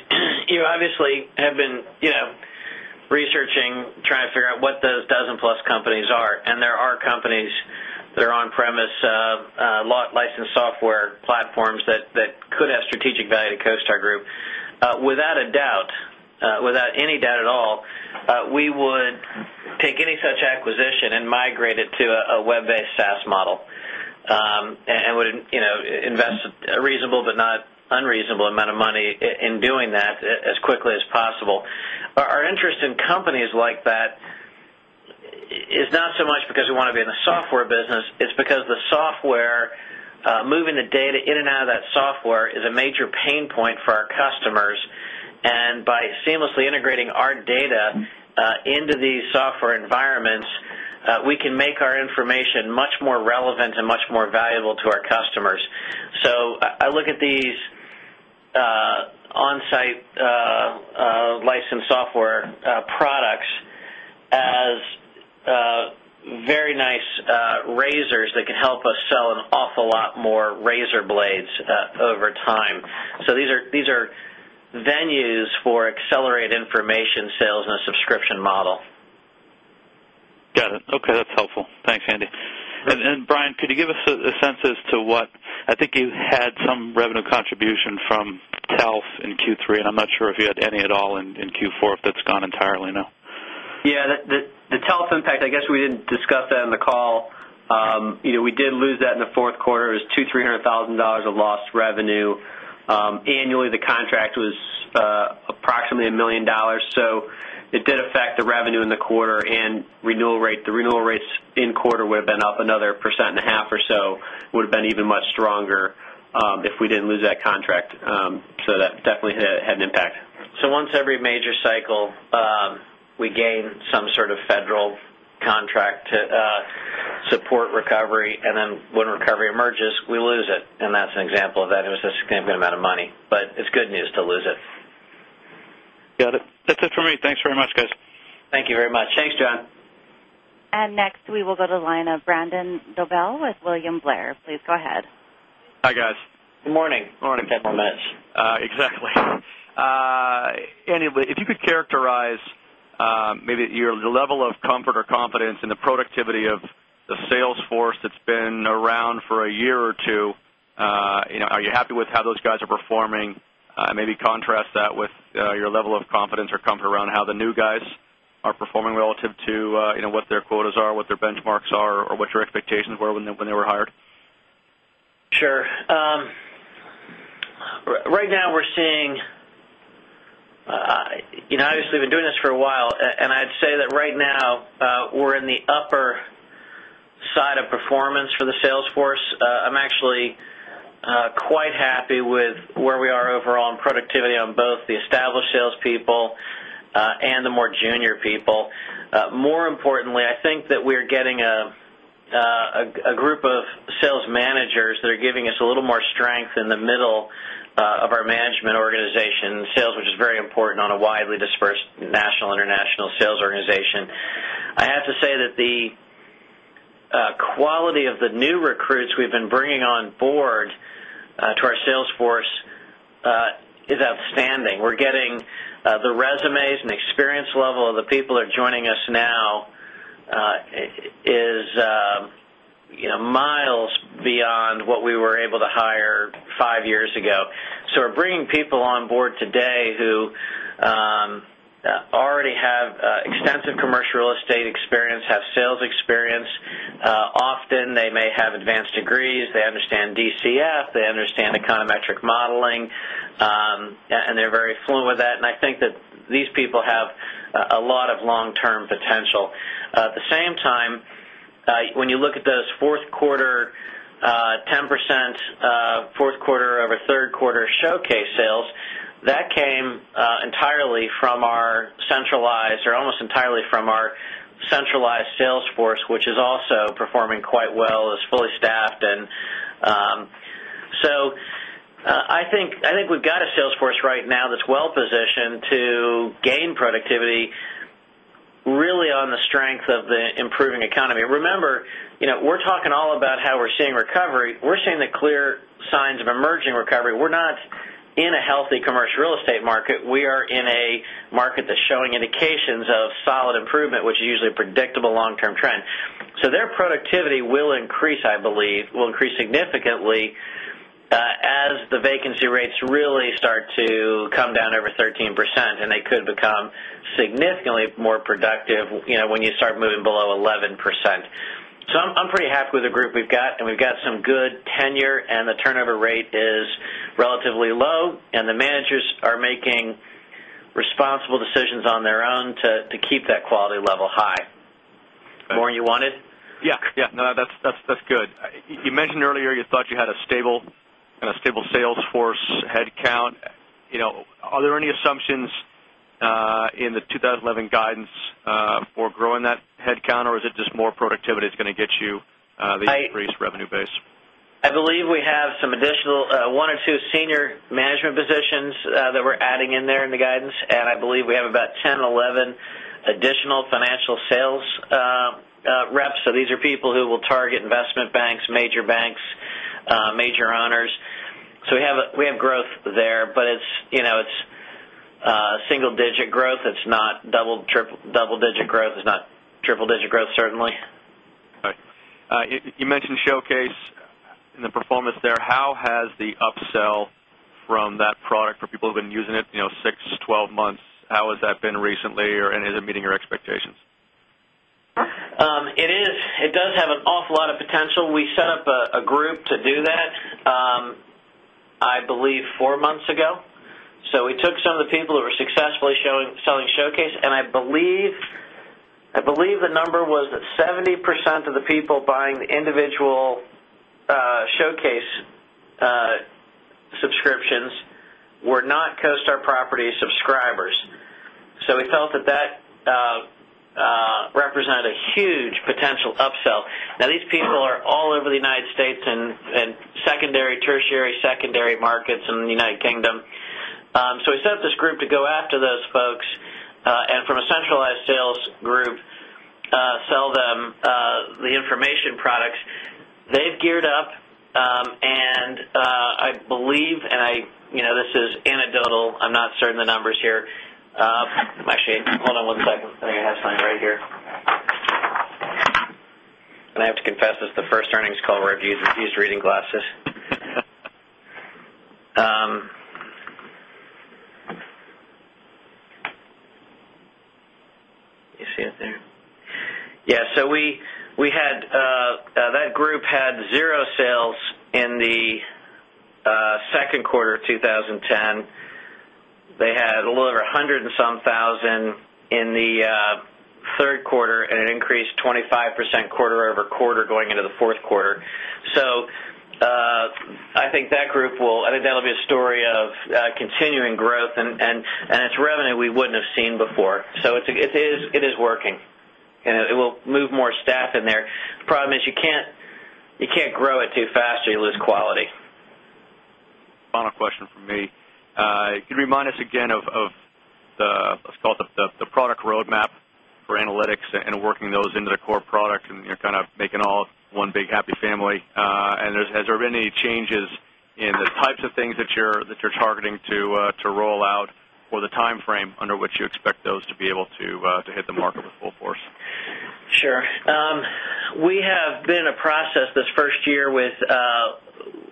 you obviously have been researching trying to figure out what those dozen plus companies are and there are companies that are on premise licensed software platforms that could have strategic value to CoStar Group. Without a doubt, without any doubt at all, we would take any such acquisition and migrate it to a web based SaaS model and would invest a reasonable, but not unreasonable amount of money in doing that as quickly as possible. Our interest in companies like that is not so much because we want to be in the software business, it's because the software moving the data in and out of that software is a major pain point for our customers. And by seamlessly integrating our data into these software environments, we can make our information much more relevant and much more valuable to our customers. So I look at these on-site licensed software products as very nice razors that can help us sell an awful lot more razor blades over time. So these are venues for accelerated information sales in a subscription model.
Got it. Okay, that's helpful. Thanks, Andy. And Brian, could you give us a sense as to what I think you had some revenue contribution from TELUS in Q3. I'm not sure if you had any at all in Q4 if that's gone entirely now?
Yes. The TELUS impact, I guess we didn't discuss that in the call. We did lose that in the 4th quarter, it was $200,000 $300,000 of lost revenue. Annually, the contract was approximately $1,000,000 So it did affect the revenue in the quarter and renewal rate. The renewal rates in quarter would have been up another 1.5% or so, would have been even much stronger if we didn't lose that contract. So that definitely had an impact. So once every major cycle, we gain some sort of federal contract to support recovery. And then when recovery emerges, we lose it. And that's an example of that. It was a significant amount of money, but it's good news to lose it.
Got it. That's it for me. Thanks very much, guys.
Thank you very much. Thanks, John.
And next we will go to the line of Brandon Dobell with William Blair. Please go ahead.
Hi, guys. Good
morning. Good morning. Good morning. Good
morning. Exactly. Andy, if you could characterize maybe your level of comfort or confidence in the productivity of the sales force that's been around for a year or 2, are you happy with how those guys are performing? Maybe contrast that with your level of confidence or comfort around how the new guys are performing relative to what their quotas are, what their benchmarks are or what your expectations were when they were hired?
Sure. Right now, we're seeing obviously, we've been doing this for a while, and I'd say that right now, we're in the upper side of performance for the sales force. I'm actually quite happy with where we are overall in productivity on both the established salespeople and the more junior people. More importantly, I think that we are getting a group of sales managers that are giving us a little more strength in the middle of our management organization sales, which is very important on a widely dispersed national international sales organization. I have to say that the quality of the new recruits we've been bringing on board to our sales force is outstanding. We're getting the resumes and experience level of the people that are joining us now is miles beyond what we were able to hire 5 years ago. So we're bringing people on board today who already have extensive commercial real estate experience, have sales experience. Often they may have advanced degrees, they understand DCF, they understand econometric modeling, and they're very fluent with that. And I think that these people have a lot of long term potential. At the same time, when you look at those 4th quarter 10% 4th quarter over 3rd quarter showcase sales, that came entirely from our centralized or almost entirely from our centralized sales force, which is also performing quite well, is fully staffed. And so I think we've got a sales force right now that's well positioned to gain productivity really on the strength of the improving economy. Remember, we're talking all about how we're seeing recovery. We're seeing the clear signs of emerging recovery. We're not in a healthy commercial real estate market. We are in a market that's showing indications of solid improvement, which is usually predictable long term trend. So their productivity will increase, I believe, will increase significantly as the vacancy rates really start to come down over 13% and they could become significantly more productive when you start moving below 11%. So I'm pretty happy with the group we've got and we've got some good tenure and the turnover rate is relatively low and the managers are making responsible decisions on their own to keep that quality level high. Maury, you wanted?
Yes. No, that's good. You mentioned earlier you thought you had a stable sales force headcount. Are there any assumptions in the 2011 guidance for growing that headcount or is it just more productivity that's going to get you the increased revenue base?
I believe we have some additional 1 or 2 senior management positions that we're adding in there in the guidance and I believe we have about 10, 11 additional financial sales reps. So these are people who will target investment banks, major banks, major owners. So we have growth there, but it's single digit growth, it's not double digit growth, it's not triple digit growth certainly.
Okay. You mentioned Showcase and the performance there. How has the upsell from that product for people who've been using it 6, 12 months, How has that been recently? Or is it meeting your expectations?
It is it does have an awful lot of potential. We set up a group to do that, I believe 4 months ago. So we took some of the people who were successfully showing selling Showcase and I believe the number was that 70% of the people buying the individual Showcase subscriptions were not CoStar Properties subscribers. So we felt that that represented a huge potential upsell. Now these people are all over the United States and secondary tertiary secondary markets in the United Kingdom. So we set up this group to go after those folks and from a centralized sales group sell them the information products. They've geared up and I believe and I this is anecdotal. I'm not certain the numbers here. Actually, hold on one second. I think I have signed right here. And I have to confess this is the first earnings call where I've used these reading glasses. You see it there? Yes. So we had that group had 0 sales in the Q2 of 2010. They had a little over 100 and some 1,000 in the Q3 and it increased 25% quarter over quarter going into the 4th quarter. So I think that group will I think that will be a story of continuing growth and it's revenue we wouldn't have seen before. So it is working and it will move more staff in there. The problem is you can't grow it too fast or you lose quality.
Final question for me. Can you remind us again of the let's call it the product roadmap for analytics and working those into the core product and you're kind of making all one big happy family? And has there been any changes in the types of things that you're targeting to roll out or the timeframe under which you expect those to be able to hit the market with full force?
Sure. We have been in a process this 1st year with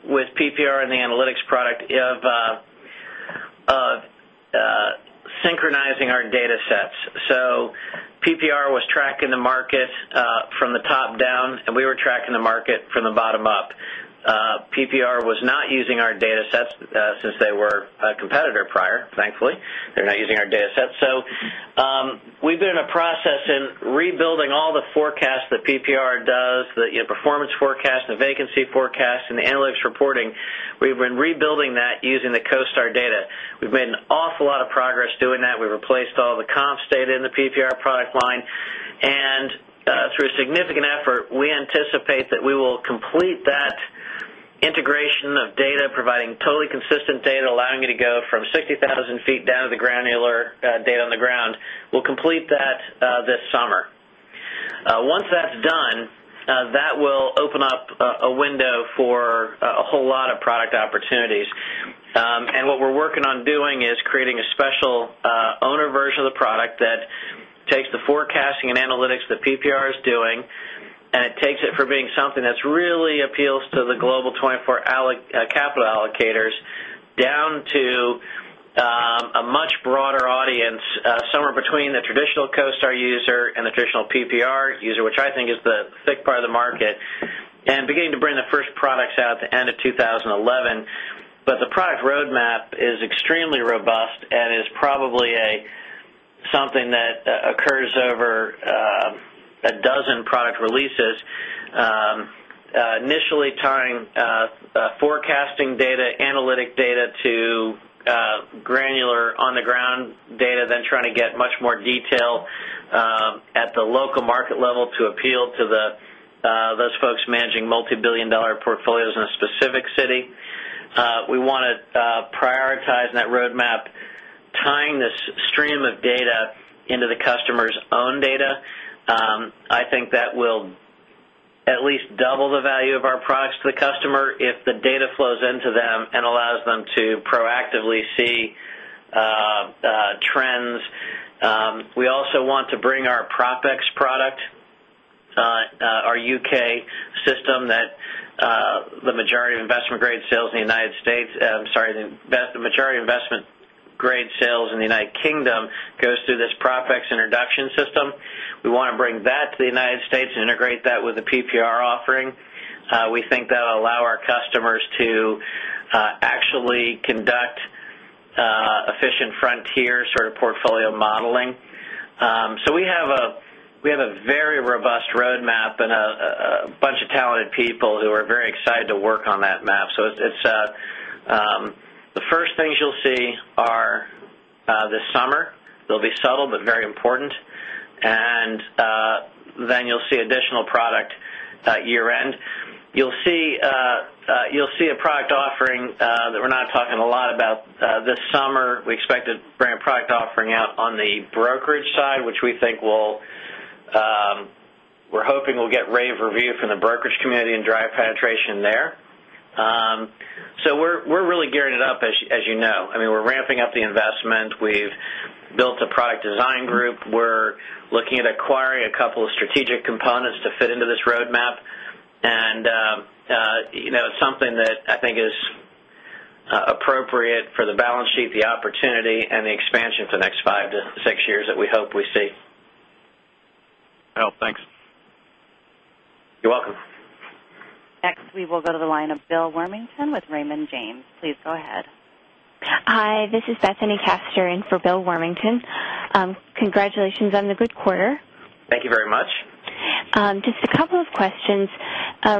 PPR and the analytics product of synchronizing our data sets. So PPR was tracking the market from the top down and we were tracking the market from the bottom up. PPR was not using our datasets since they were a competitor prior, thankfully. They're not using our data sets. So we've been in a process in rebuilding all the forecast that PPR does, the performance forecast, the vacancy forecast and the analytics reporting, we've been rebuilding that using the CoStar data. We've made an awful lot of progress doing that. We replaced all the comps data in the PPR product line. And through significant effort, we anticipate that we will complete that integration of data providing totally consistent data allowing you to go from 60,000 feet down to the granular data on the ground. We'll complete that this summer. Once that's done, that will open up a window for a whole lot of product opportunities. And what we're working on doing is creating a special owner version of the product that takes the forecasting and analytics that PPR is doing and it takes it from being something that's really appeals to the Global 24 Capital allocators down to a much broader audience somewhere between the traditional CoStar user and the traditional PPR user, which I think is the thick part of the market and beginning to bring the first products out at the end of 2011. But the product roadmap is extremely robust and is probably something that occurs over a dozen product releases, initially tying forecasting data, analytic data to granular on the ground data, then trying to get much more detail at the local market level to appeal to the those folks managing multi $1,000,000,000 portfolios in a specific city. We want to prioritize that roadmap tying this stream of data into the customers' own data. I think that will at least double the value of our products to the customer if the data flows into them and allows them to proactively see trends. We also want to bring our Propex product, our U. K. System that the majority of investment grade sales in the United States I'm sorry, the majority of investment grade sales in the United Kingdom goes through this prophax introduction system. We want to bring that to the United States and integrate that with the PPR offering. We think that will allow our customers to actually conduct Efficient Frontier sort of portfolio modeling. So we have a very robust roadmap and a bunch of talented people who are very excited to work on that map. So it's the first things you'll see are this summer, they'll be subtle, but very important. And then you'll see additional product at year end. You'll see a product offering that we're not talking a lot about this summer. We expect to bring a product offering out on the brokerage side, which we think will we're hoping we'll get rave review from the brokerage community and drive penetration there. So we're really gearing it up as you know. I mean we're ramping up the investment. We've built a product design group. We're looking at acquiring a couple of strategic components to fit into this roadmap. And it's something that I think is appropriate for the balance sheet, the opportunity and the expansion for next 5 to 6 years that we hope we see.
Thanks. You're welcome.
Next, we will go to the line of Bill Warmington with Raymond James. Please go ahead.
Hi. This is Bethany Castor in for Bill Warmington. Congratulations on the good quarter.
Thank you very much.
Just a couple of questions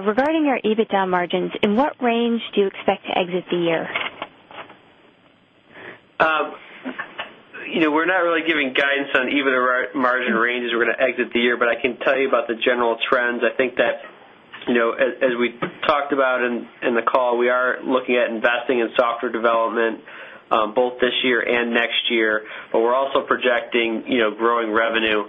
regarding your EBITDA margins. In what range do you expect to exit the year?
We're not really giving guidance on EBITDA margin ranges we're going to exit the year, but I can tell you about the general trends. I think that as we talked about in the call, we are looking at investing in software development both this year and next year. We're also projecting growing revenue,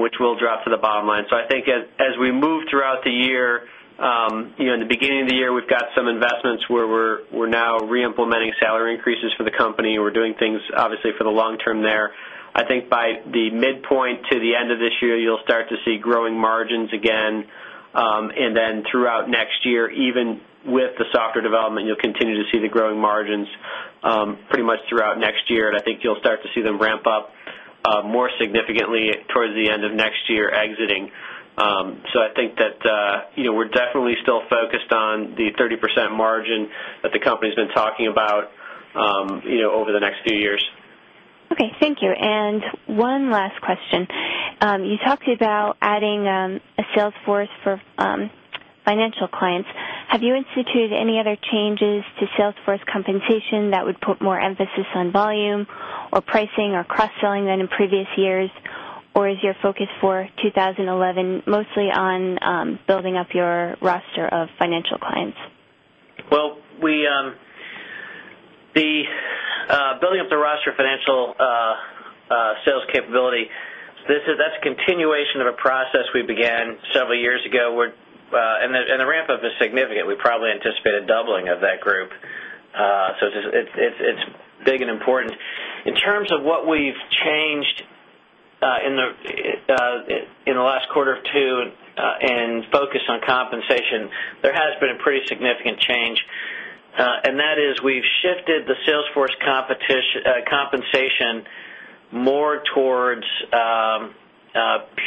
which will drop to the bottom line. So I think as we move throughout the year, in the beginning of the year, we've got some investments where we're now reimplementing salary increases for the company. We're doing things obviously for the long term there. I think by the midpoint to the end of this year, you'll start to see growing margins again. And then throughout next year, even with the software development, you'll continue to see the growing margins pretty much throughout next year. And I think you'll start to see them ramp up more significantly towards the end of next year exiting. So I think that we're definitely still focused on the 30% margin that the company has been talking about over the next few years.
Okay. Thank you. And one last question. You talked about adding a sales force for financial clients. Have you instituted any other changes to sales force compensation that would put more emphasis on volume or pricing or cross selling than in previous years? Or is your focus for 2011 mostly on building up your roster of financial clients?
Well, we the building of the roster financial sales capability, that's a continuation of a process we began several years ago and the ramp up is significant. We probably anticipated doubling of that group. So it's big and important. In terms of what we've changed in the last quarter of 2 and focus on compensation, there has been a pretty significant change. And that is we've shifted the sales force compensation more towards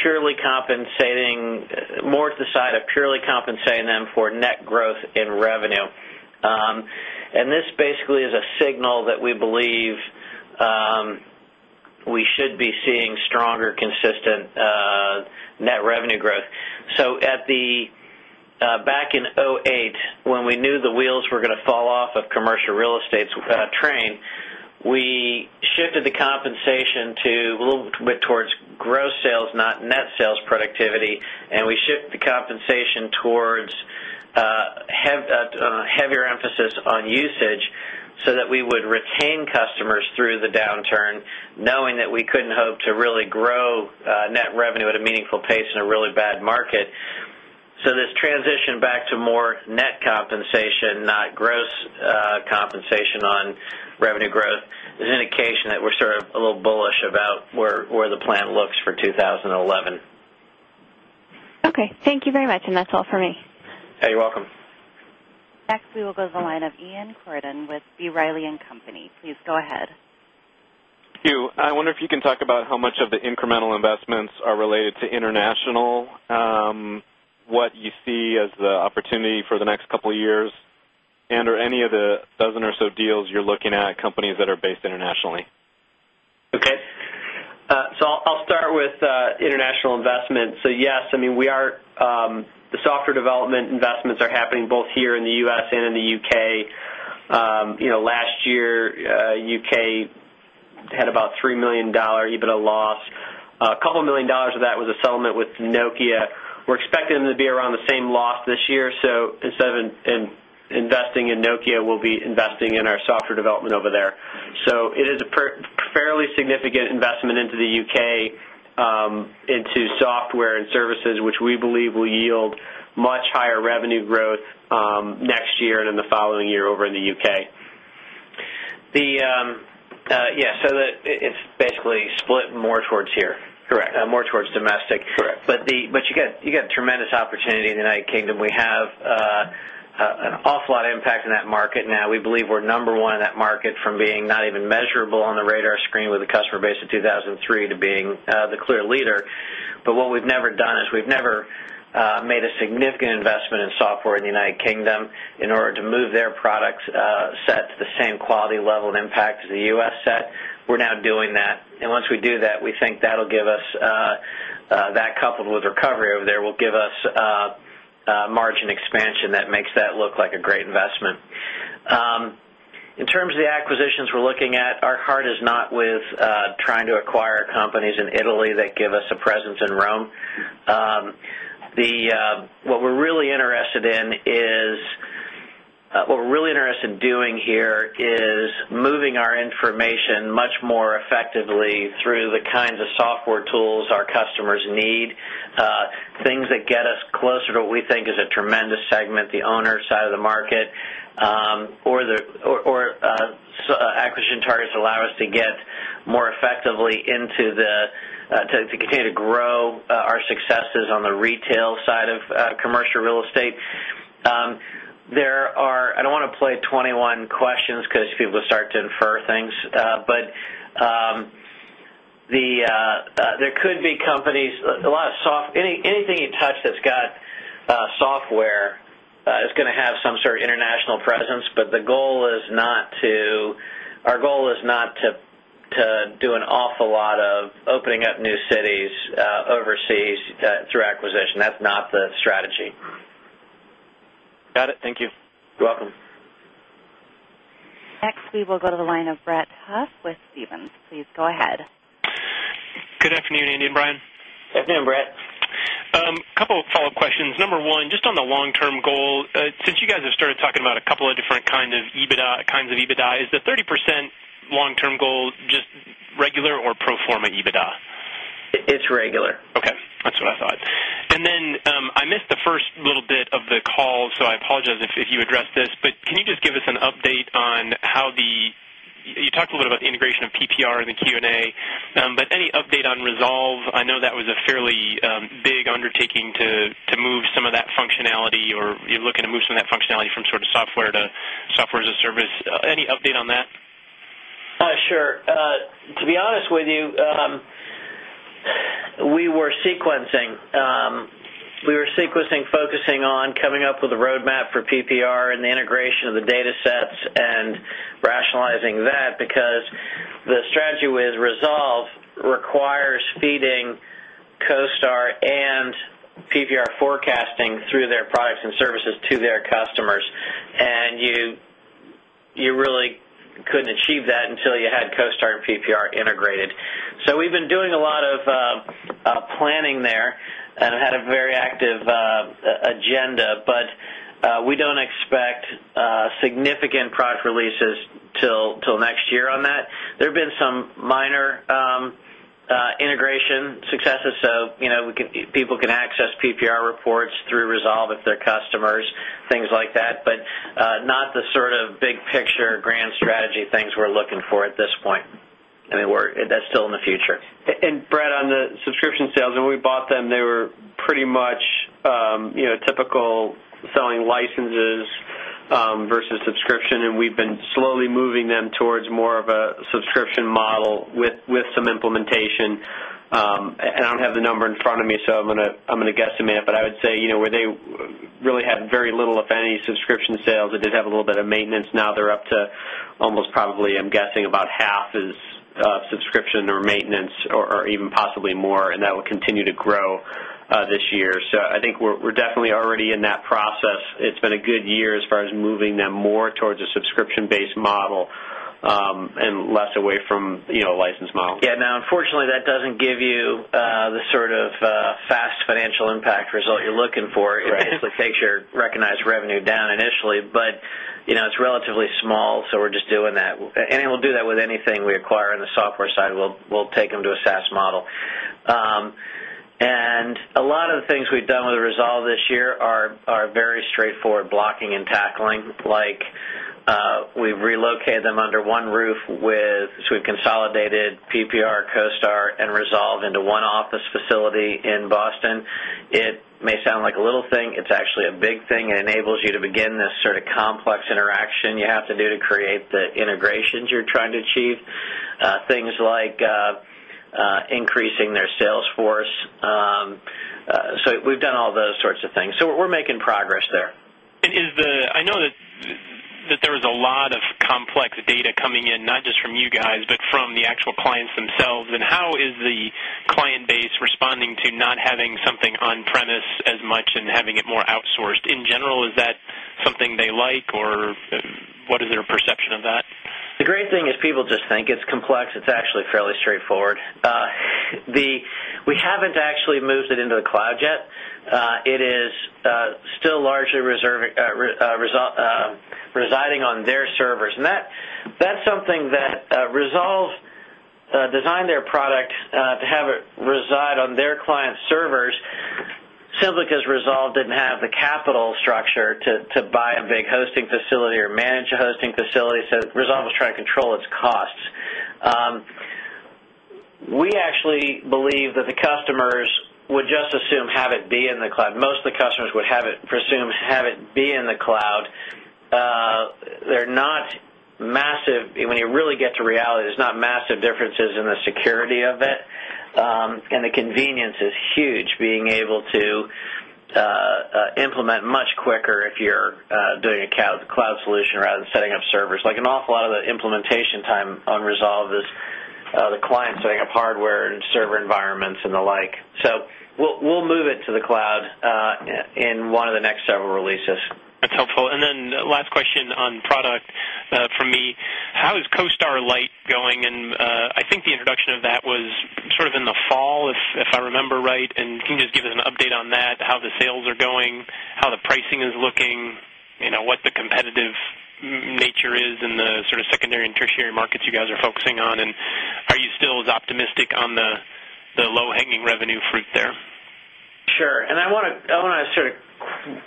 purely compensating more to the side of purely compensating them for net growth in revenue. And this basically is a signal that we believe we should be seeing stronger consistent net revenue growth. So at the back in 2008, when we knew the wheels were going to fall off of commercial real estate train, we shifted the compensation to a little bit towards gross sales, not net sales productivity and we shift the compensation towards heavier emphasis on usage, so that we would retain customers through the downturn, knowing that we couldn't hope to really grow net revenue at a meaningful pace in a really bad market. So this transition back to more net compensation, not gross compensation on revenue growth is an indication that we're sort of a little bullish about where the plan looks for 2011.
Okay. Thank you very much and that's all for me.
You're welcome.
Next, we will go to the line of Ian Gordon with B. Riley and Company. Please go ahead.
I wonder if you can talk about how much of the incremental investments are related to international, what you see as the opportunity for the next couple of years and or any of the dozen or so deals you're looking at companies that are based internationally?
Okay. So I'll start with international investments. So yes, I mean we are the software development investments are happening both here in the U. S. And in the U. K. Last year U. K. Had about $3,000,000 EBITDA loss. A couple of $1,000,000 of that was a settlement with Nokia. We're expecting them to be around the same loss this year. So instead of investing in Nokia, we'll be investing in our software development over there. So it is a fairly significant investment into the U. K. Into software and services, which we believe will yield much higher revenue growth next year and in the following year over
in the
UK. The yes, so it's basically split more towards here. Correct. More towards domestic. Correct. But the but you get tremendous opportunity in the United Kingdom. We have an awful lot of impact in that market now. We believe we're number 1 in that market from being not even measurable on the radar screen with the customer base in 2,003 to being the clear leader. But what we've never done is we've never made a significant investment in software in the United Kingdom in order to move their products set to the same quality level and impact as the U. S. Set, we're now doing that. And once we do that, we think that'll give us that coupled with recovery over there will give us margin expansion that makes that look like a great investment. In terms of the acquisitions we're looking at, our heart is not with trying to acquire companies in Italy that give us a presence in Rome. The what we're really interested in is what we're really interested in doing here is moving our information much more effectively through the kinds of software tools our customers need, things that get us closer to what we think is a tremendous segment, the owner side of the market or acquisition targets allow us to get more effectively into the to continue to grow our successes on the retail side of commercial real estate. There are I don't want to play 21 questions because people start to infer things. But the there could be companies a lot of soft anything you touch that's got software is going to have some sort of international presence, but the goal is not to our goal is not to do an awful lot of opening up new cities overseas through acquisition. That's not the strategy.
Got it. Thank you.
You're welcome.
Next, we will go to the line of Brett Huff with Stephens. Please go ahead.
Good afternoon, Andy and Brian.
Good afternoon, Brett.
Couple of follow-up questions. Number 1, just on the long term goal, since you guys have started talking about a couple of different kinds of EBITDA, is the 30% long term goal just regular or pro form a EBITDA? It's regular. Okay.
That's what
I thought. And then, I missed the first little bit of the call, so I apologize if you addressed this. But can you just give us an update on how the you talked a little bit about the integration of PPR in the Q and A, but any update on Resolve? I know that was a fairly big undertaking to move some of that functionality or you're looking to move some of that functionality from sort of software to software as a service. Any update on that?
Sure. To be honest with you, we were sequencing. We were sequencing focusing on coming up with a roadmap for PPR and the integration of the data sets and rationalizing that because the strategy with resolve requires feeding CoStar and PPR forecasting through their products and services to their customers. And you really couldn't achieve that until you had CoStar and PPR integrated. So we've been doing a lot of planning there and had a very active agenda, but we don't expect significant product releases till next year on that. There have been some minor integration successes, so people can access PPR reports through resolve of their customers, things like that, but not the sort of big picture grand strategy things we're looking for at this point. I mean, we're that's still in the future. And Brad, on the subscription sales, when we bought them, they were pretty much typical selling licenses versus subscription and we've been slowly moving them towards more of a subscription model with some implementation. I don't have the number in front of me, so I'm going to guesstimate, but I would say where they really had very little, if any, subscription sales, they did have a little bit of maintenance. Now they're up to almost probably, I'm guessing, about half is subscription or maintenance or even possibly more and that will continue to grow this year. So I think we're definitely already in that process. It's been a good year as far as moving them more towards a subscription based model and less away from license model. Yes. Now unfortunately, that doesn't give you the sort of fast financial impact result you're looking for. It takes your recognized revenue down initially, but it's relatively small. So we're just doing that and we'll do that with anything we acquire in the software side, we'll take them to a SaaS model. And a lot of the things we've done with the resolve this year are very straightforward blocking and tackling like we've relocated them under one roof with so we've consolidated PPR, CoStar and Resolve into one office facility in Boston. It may sound like a little thing. It's actually a big thing. It enables you to begin this sort of complex interaction you have to do to create the integrations you're trying to achieve. Things like increasing their sales force. So we've done all those sorts of things. So we're making progress there.
And is the I know that there is a lot of complex data coming in, not just from you guys, but from the actual clients themselves. And how is the client base responding to not having something on premise as much and having it more outsourced? In general, is that something they like or what is their perception of that?
The great thing is people just think it's complex. It's actually fairly straightforward. We haven't actually moved it into the cloud yet. It is still largely residing on their servers. And that's something that Resolve designed their product to have it reside on their clients' servers. Simulink has resolved it and have the capital structure to buy a big hosting facility or manage a hosting facility. So Resolve was trying to control its costs. We actually believe that the customers would just assume have it be in the cloud. Most of the customers would have it presume have it be in the cloud. They're not massive. When you really get to reality, there's not massive differences in the security of it. And the convenience is huge being able to implement much quicker if you're doing a cloud solution rather than setting up servers like an awful lot of the implementation time on Resolve is the client setting up hardware and server environments and the like. So we'll move it to the cloud in one of the next several releases.
That's helpful. And then last question on product for me. How is CoStar Lite going? And I think the introduction of that was sort of in the fall, if I remember right. And can you just give us an update on that, how the sales are going? How the pricing is looking? What the competitive nature is in the sort of secondary and tertiary markets you guys are focusing on? And are you still as optimistic on the low hanging revenue fruit there?
Sure. And I want to sort of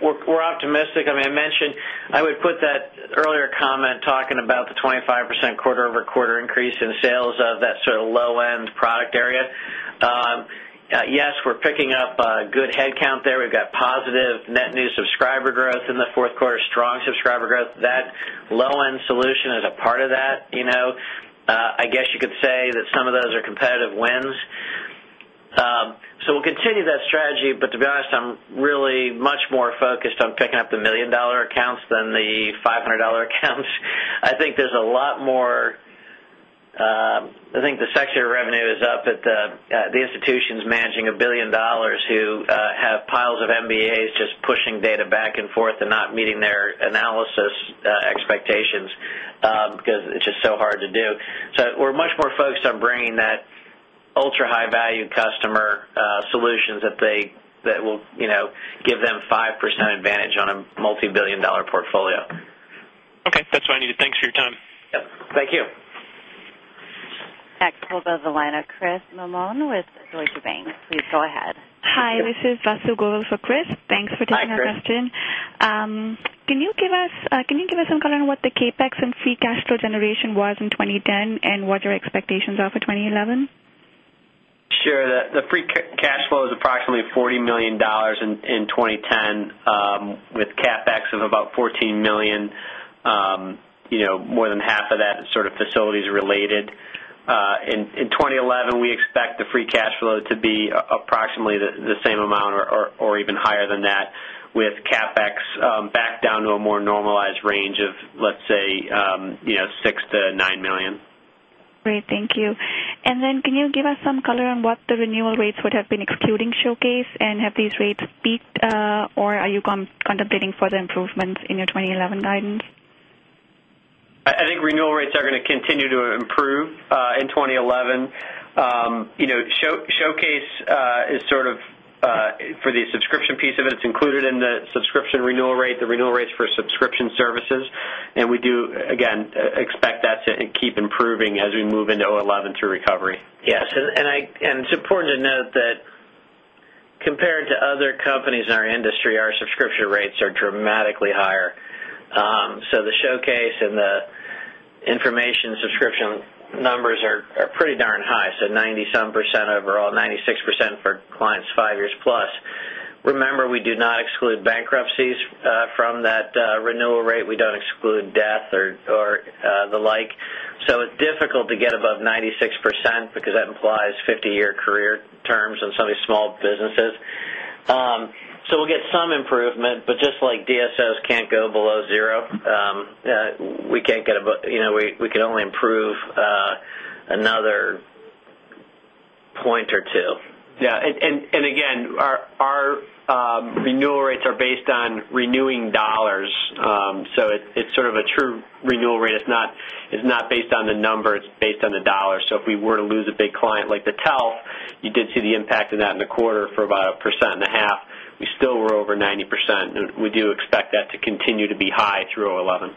we're optimistic. I mean, I mentioned, I would put that earlier comment talking about the 25% quarter over quarter increase in sales of that sort of low end product area. Yes, we're picking up good headcount there. We've got positive net new subscriber growth in the 4th quarter, strong subscriber growth. That low end solution is a part of that. I guess you could say that some of those are competitive wins. So we'll continue that strategy, but to be honest, I'm really much more focused on picking up the $1,000,000 accounts than the $500 accounts. I think there's a lot more I think the section of revenue is up at the institutions managing $1,000,000,000 who have piles of MBAs just pushing data back and forth and not meeting their analysis expectations, because it's just so hard to do. So we're much more focused on bringing that ultra high value customer solutions that they that will give them 5% advantage on a multi $1,000,000,000 portfolio.
Okay. That's what I needed. Thanks for your time.
Yes. Thank you.
Next we'll go to the line of Chris Malone with Deutsche Bank. Please go ahead.
Hi. This is Vasu Gogol for Chris. Thanks for taking our question. Can you give us some color on what the CapEx and free cash flow generation was in 2010 and what your expectations are for 2011?
Sure. The free cash flow is approximately $40,000,000 in 2010 with CapEx of about 14,000,000 dollars more than half of that is sort of facilities related. In 2011, we expect the free cash flow to be approximately the same amount or even higher than that with CapEx back down to a more normalized range of let's say, dollars 6,000,000 to 9,000,000
dollars Great. Thank you. And then can you give us some color on what the renewal rates would have been excluding Showcase? And have these rates peaked? Or are you contemplating further improvements in your 2011 guidance?
I think renewal rates are going to continue to improve in 2011. Showcase is sort of for the subscription piece of it, it's included in the subscription renewal rate, the renewal rates for subscription services. And we do again expect that to keep improving as we move into 2011 through recovery. Yes. And it's important to note that compared to other companies in our industry, our subscription rates are dramatically higher. So the showcase and the information subscription numbers are pretty darn high, so 90 some percent overall, 96% for clients 5 years plus. Remember, we do not exclude bankruptcies from that renewal rate. We don't exclude death or the like. So it's difficult to get above 96%, because that implies 50 year career terms in some of these small businesses. So we'll get some improvement, but just like DSOs can't go below 0. We can't get we can only improve another point or 2. Yes. And again, our renewal rates are based on renewing dollars. So it's sort of a true renewal rate. It's not based on the number, it's based on the dollar. So if we were to lose a big client like the TELF, did see the impact of that in the quarter for about 1.5%. We still were over 90%. We do expect that to continue to be high through 2011.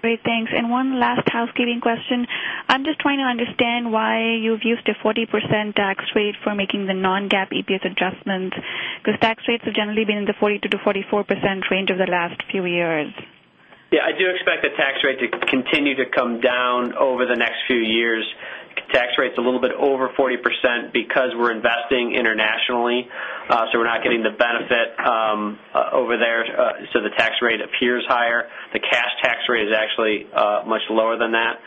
Great. Thanks. And one last housekeeping question. I'm just trying to understand why you've used a 40% tax rate for making the non GAAP EPS adjustments, The tax rates have generally been in the 40% to 44% range over the last few years.
Yes, I do expect the tax rate to continue to come down over the next few years. Tax rate is a little bit over 40%, because we're investing internationally. So we're not getting the benefit over there. So the tax rate appears higher. The cash tax rate is actually much lower than that.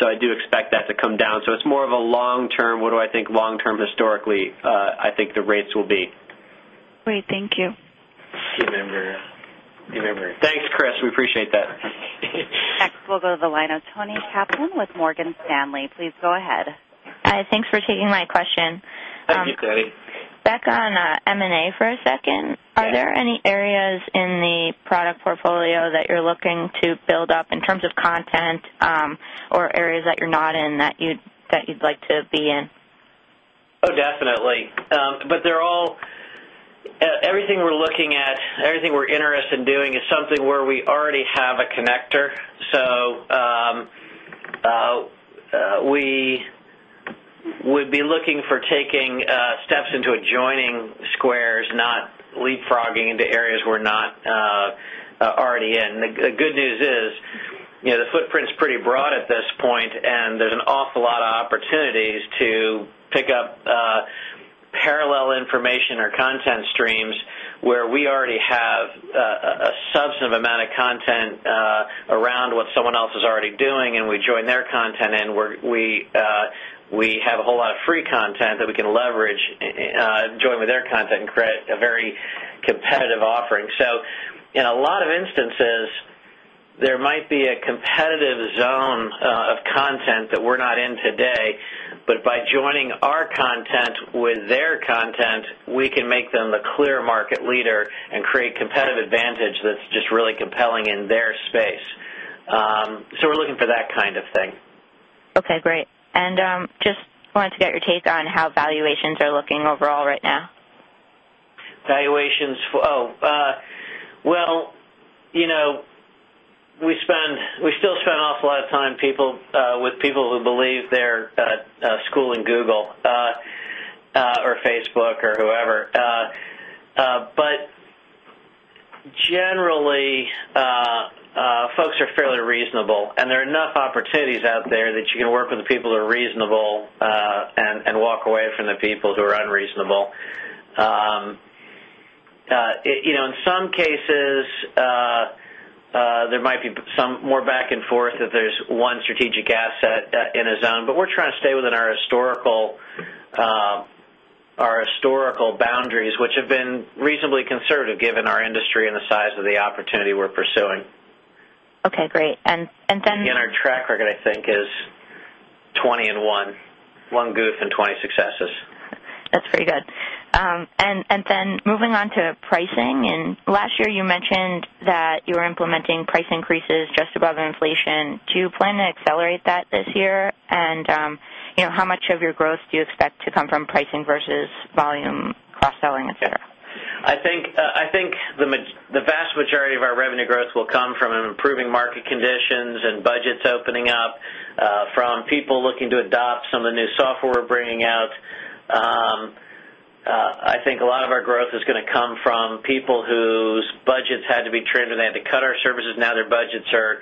So I do expect that to come down. So it's more of a long term, what do I think long term historically, I think the rates will be.
Great. Thank you.
Thanks, Chris. We appreciate that.
Next, we'll go to the line of Toni Kaplan with Morgan Stanley. Please go ahead.
Hi. Thanks for taking my question. Thank you,
Teddy.
Back on M and A for a second, are there any areas in the product portfolio that you're looking to build up in terms of content or areas that you're not in that you'd like to be in?
Oh, definitely. But they're all everything we're looking at, everything we're interested in doing is something where we already have a connector. So we would be looking for taking steps into adjoining squares, not leapfrogging into areas we're not already in. The good news is the footprint is pretty broad at this point and there's an awful lot of opportunities to pick up parallel information or content streams where we already have a substantive amount of content around what someone else is already doing and we join their content and we have a whole lot of free content that we can leverage, join with their content and create a very competitive offering. So in a lot of instances, there might be a competitive zone of content that we're not in today, but by joining our content with their content, we can make them the clear market leader and create competitive advantage that's just really compelling in their space. So we're looking for that kind of thing.
Okay, great. And just wanted to get your take on how valuations are looking overall right now?
Valuations? Well, we spend we still spend an awful lot of time people with people who believe their school in Google or Facebook or whoever. But generally, folks are fairly reasonable and there are enough opportunities out there that you can work with the people who are reasonable and walk away from the people who are unreasonable. In some cases, there might be some more back and forth if there's one strategic asset in a zone, but we're trying to stay within our historical boundaries, which have been reasonably conservative given our industry and the size of the opportunity we're pursuing.
Okay, great.
And then
And our track record, I think is 20 and 1, one goof and 20 successes.
That's pretty good. And then moving on to pricing and last year you mentioned that you were implementing price increases just above inflation. Do you plan to accelerate that this year? And how much of your growth do you expect to come from pricing versus volume cross selling, etcetera?
I think the vast majority of our revenue growth will come from an improving market conditions and budgets opening up from people looking to adopt some of the new software we're bringing out. I think a lot of our growth is going to come from people whose budgets had to be trimmed and they had to cut our services. Now their budgets are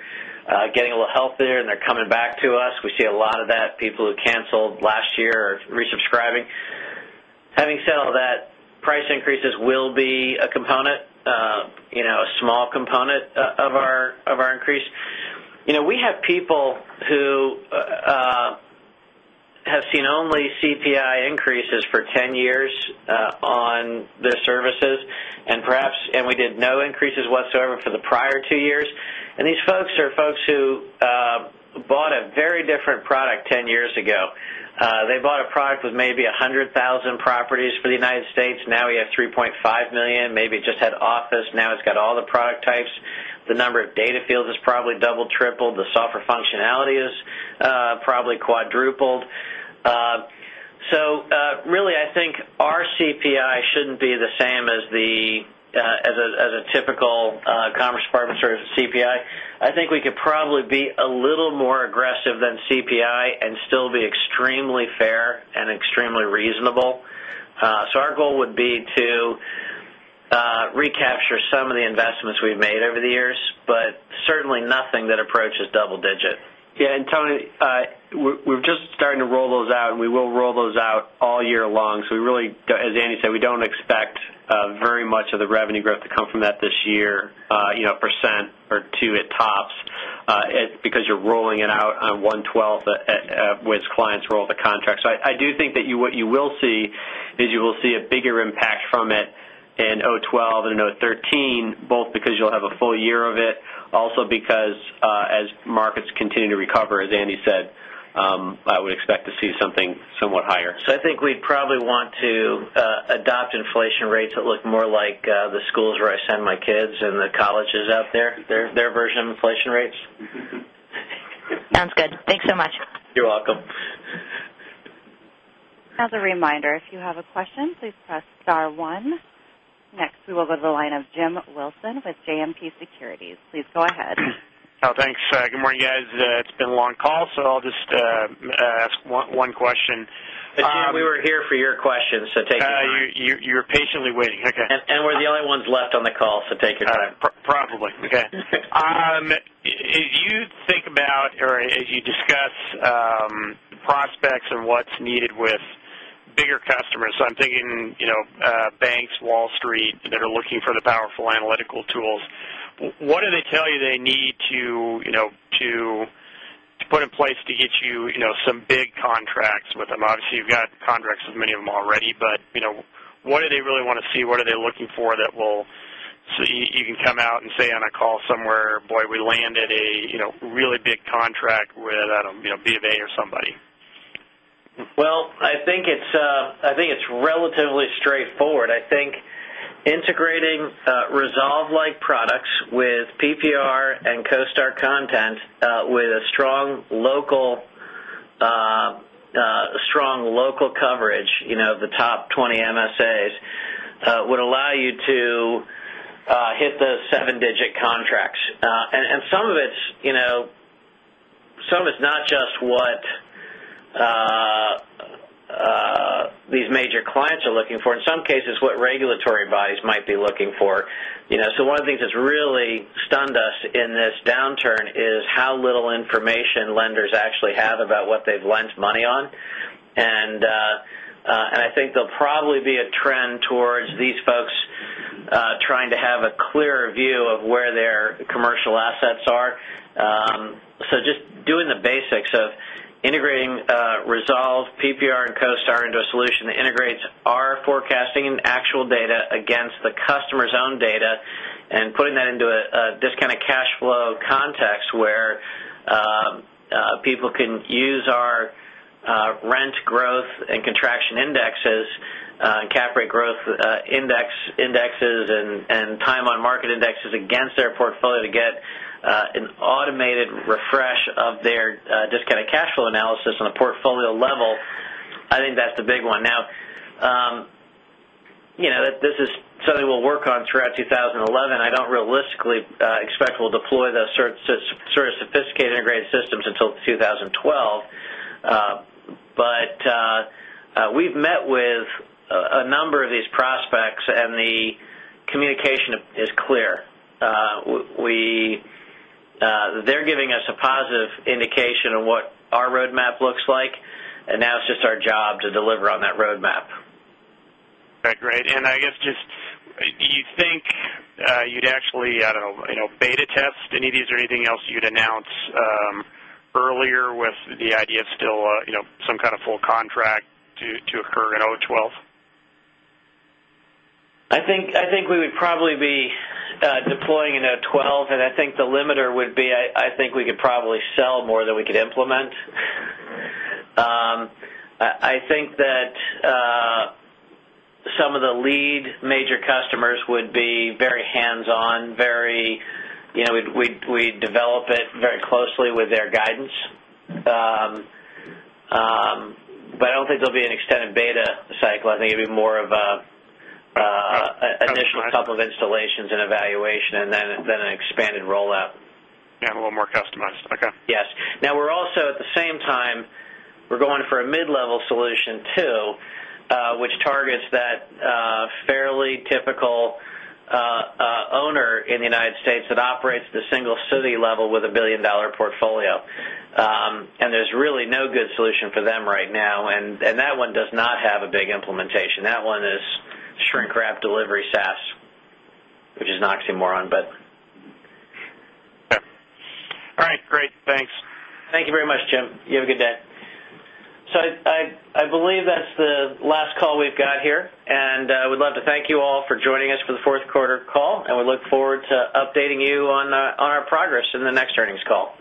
getting a little healthier and they're coming back to us. We see a lot of that people who canceled last year are resubscribing. Having said all that, price increases will be a component, a small component of our increase. We have people who have seen only CPI increases for 10 years on their services and perhaps and we did no increases whatsoever for the prior 2 years. And these folks are folks who bought a very different product 10 years ago. They bought a product with maybe 100,000 properties for the United States. Now we have 3,500,000 maybe just had office. Now it's got all the product types. The number of data fields has probably double, tripled. The software functionality is probably quadrupled. So really I think our CPI shouldn't be the same as the as a typical Commerce Department Service with CPI. I think we could probably be a little more aggressive than CPI and still be extremely fair and extremely reasonable. So our goal would be to recapture some of the investments we've made over the years, but certainly nothing that approaches double digit. Yes. And Tony, we're just starting to roll those out and we will roll those out all year long. So we really as Andy said, we don't expect very much of the revenue growth to come from that this year, 1% or 2% at tops, because you're rolling it out on 112th with clients roll the contract. So I do think that what you will see is you will see a bigger impact from it in 2012 and 2013 both because you'll have a full year of it also because as markets continue to recover, as Andy said, I would expect to see something somewhat higher. So I think we probably want to adopt inflation rates that look more like the schools where I send my kids and the colleges out there, their version of inflation rates.
Sounds good. Thanks so much.
You're welcome.
Next, we will go to the line of Jim Wilson with JMP Securities. Please go ahead.
Thanks. Good morning, guys. It's been a long call. So I'll just ask one question.
We were here for your questions, so take
your time. You're patiently waiting. Okay.
And we're the only ones left on the call, so take your
time. Okay. If you think about or as you discuss prospects and what's needed with bigger customers, so I'm thinking banks, Wall Street that are looking for the powerful analytical tools. What do they tell you they need to put in place to get you some big contracts with them? Obviously, you've got contracts with many of them already, but what do they really want to see? What are they looking for that will so you can come out and say on a call somewhere, boy, we landed a really big contract with BofA or somebody?
Well, I think it's relatively straightforward. I think integrating Resolve like products with PPR and CoStar content with a strong local coverage of the top 20 MSAs would allow you to hit those 7 digit contracts. And some of it's not just what these major clients are looking for, in some cases what regulatory bodies might be looking for. So one of the things that's really stunned us in this downturn is how little information lenders actually have about what they've lent money on. And I think there'll probably be a trend towards these folks trying to have a clearer view of where their commercial assets are. So just doing the basics of integrating Resolve, PPR and CoStar into a solution that integrates our forecasting and actual data against the customer's own data and putting that into a discounted cash flow context where people can use our rent growth and contraction indexes and cap rate growth index indexes and time on market indexes against their portfolio to get an automated refresh of their discounted cash flow analysis on a portfolio level, I think that's the big one. Now, this is something we'll work on throughout 2011. I don't realistically expect we'll deploy those sort of sophisticated integrated systems until 2012. But we've met with a number of these prospects and the communication is clear. We they're giving us a positive indication of what our roadmap looks like and now it's just our job to deliver on that roadmap.
Okay, great. And I guess just do you think you'd actually beta test any of these or anything else you'd announce earlier with the idea of still some kind of full contract to occur in 'twelve?
I think we would probably be deploying in 2012 and I think the limiter would be I think we could probably sell more than we could implement. I think that some of the lead major customers would be very hands on, very we develop it very closely with their guidance. But I don't think there'll be an extended beta cycle. I think it'd be more of an initial couple of installations and evaluation and then an expanded rollout.
Yes, a little more customized, okay.
Yes. Now we're also at the same time, we're going for a mid level solution too, which targets that fairly typical owner in the United States that operates the single city level with a $1,000,000,000 portfolio. And there's really no good solution for them right now. And that one does not have a big implementation. That one is shrink-wrap delivery SaaS, which is an oxymoron, but
Okay. All right. Great. Thanks.
Thank you very much, Jim. You have a good day. So I believe that's the last call we've got here. And I would love to thank you all for joining us for the Q4 call and we look forward to updating you on our progress in the next earnings call.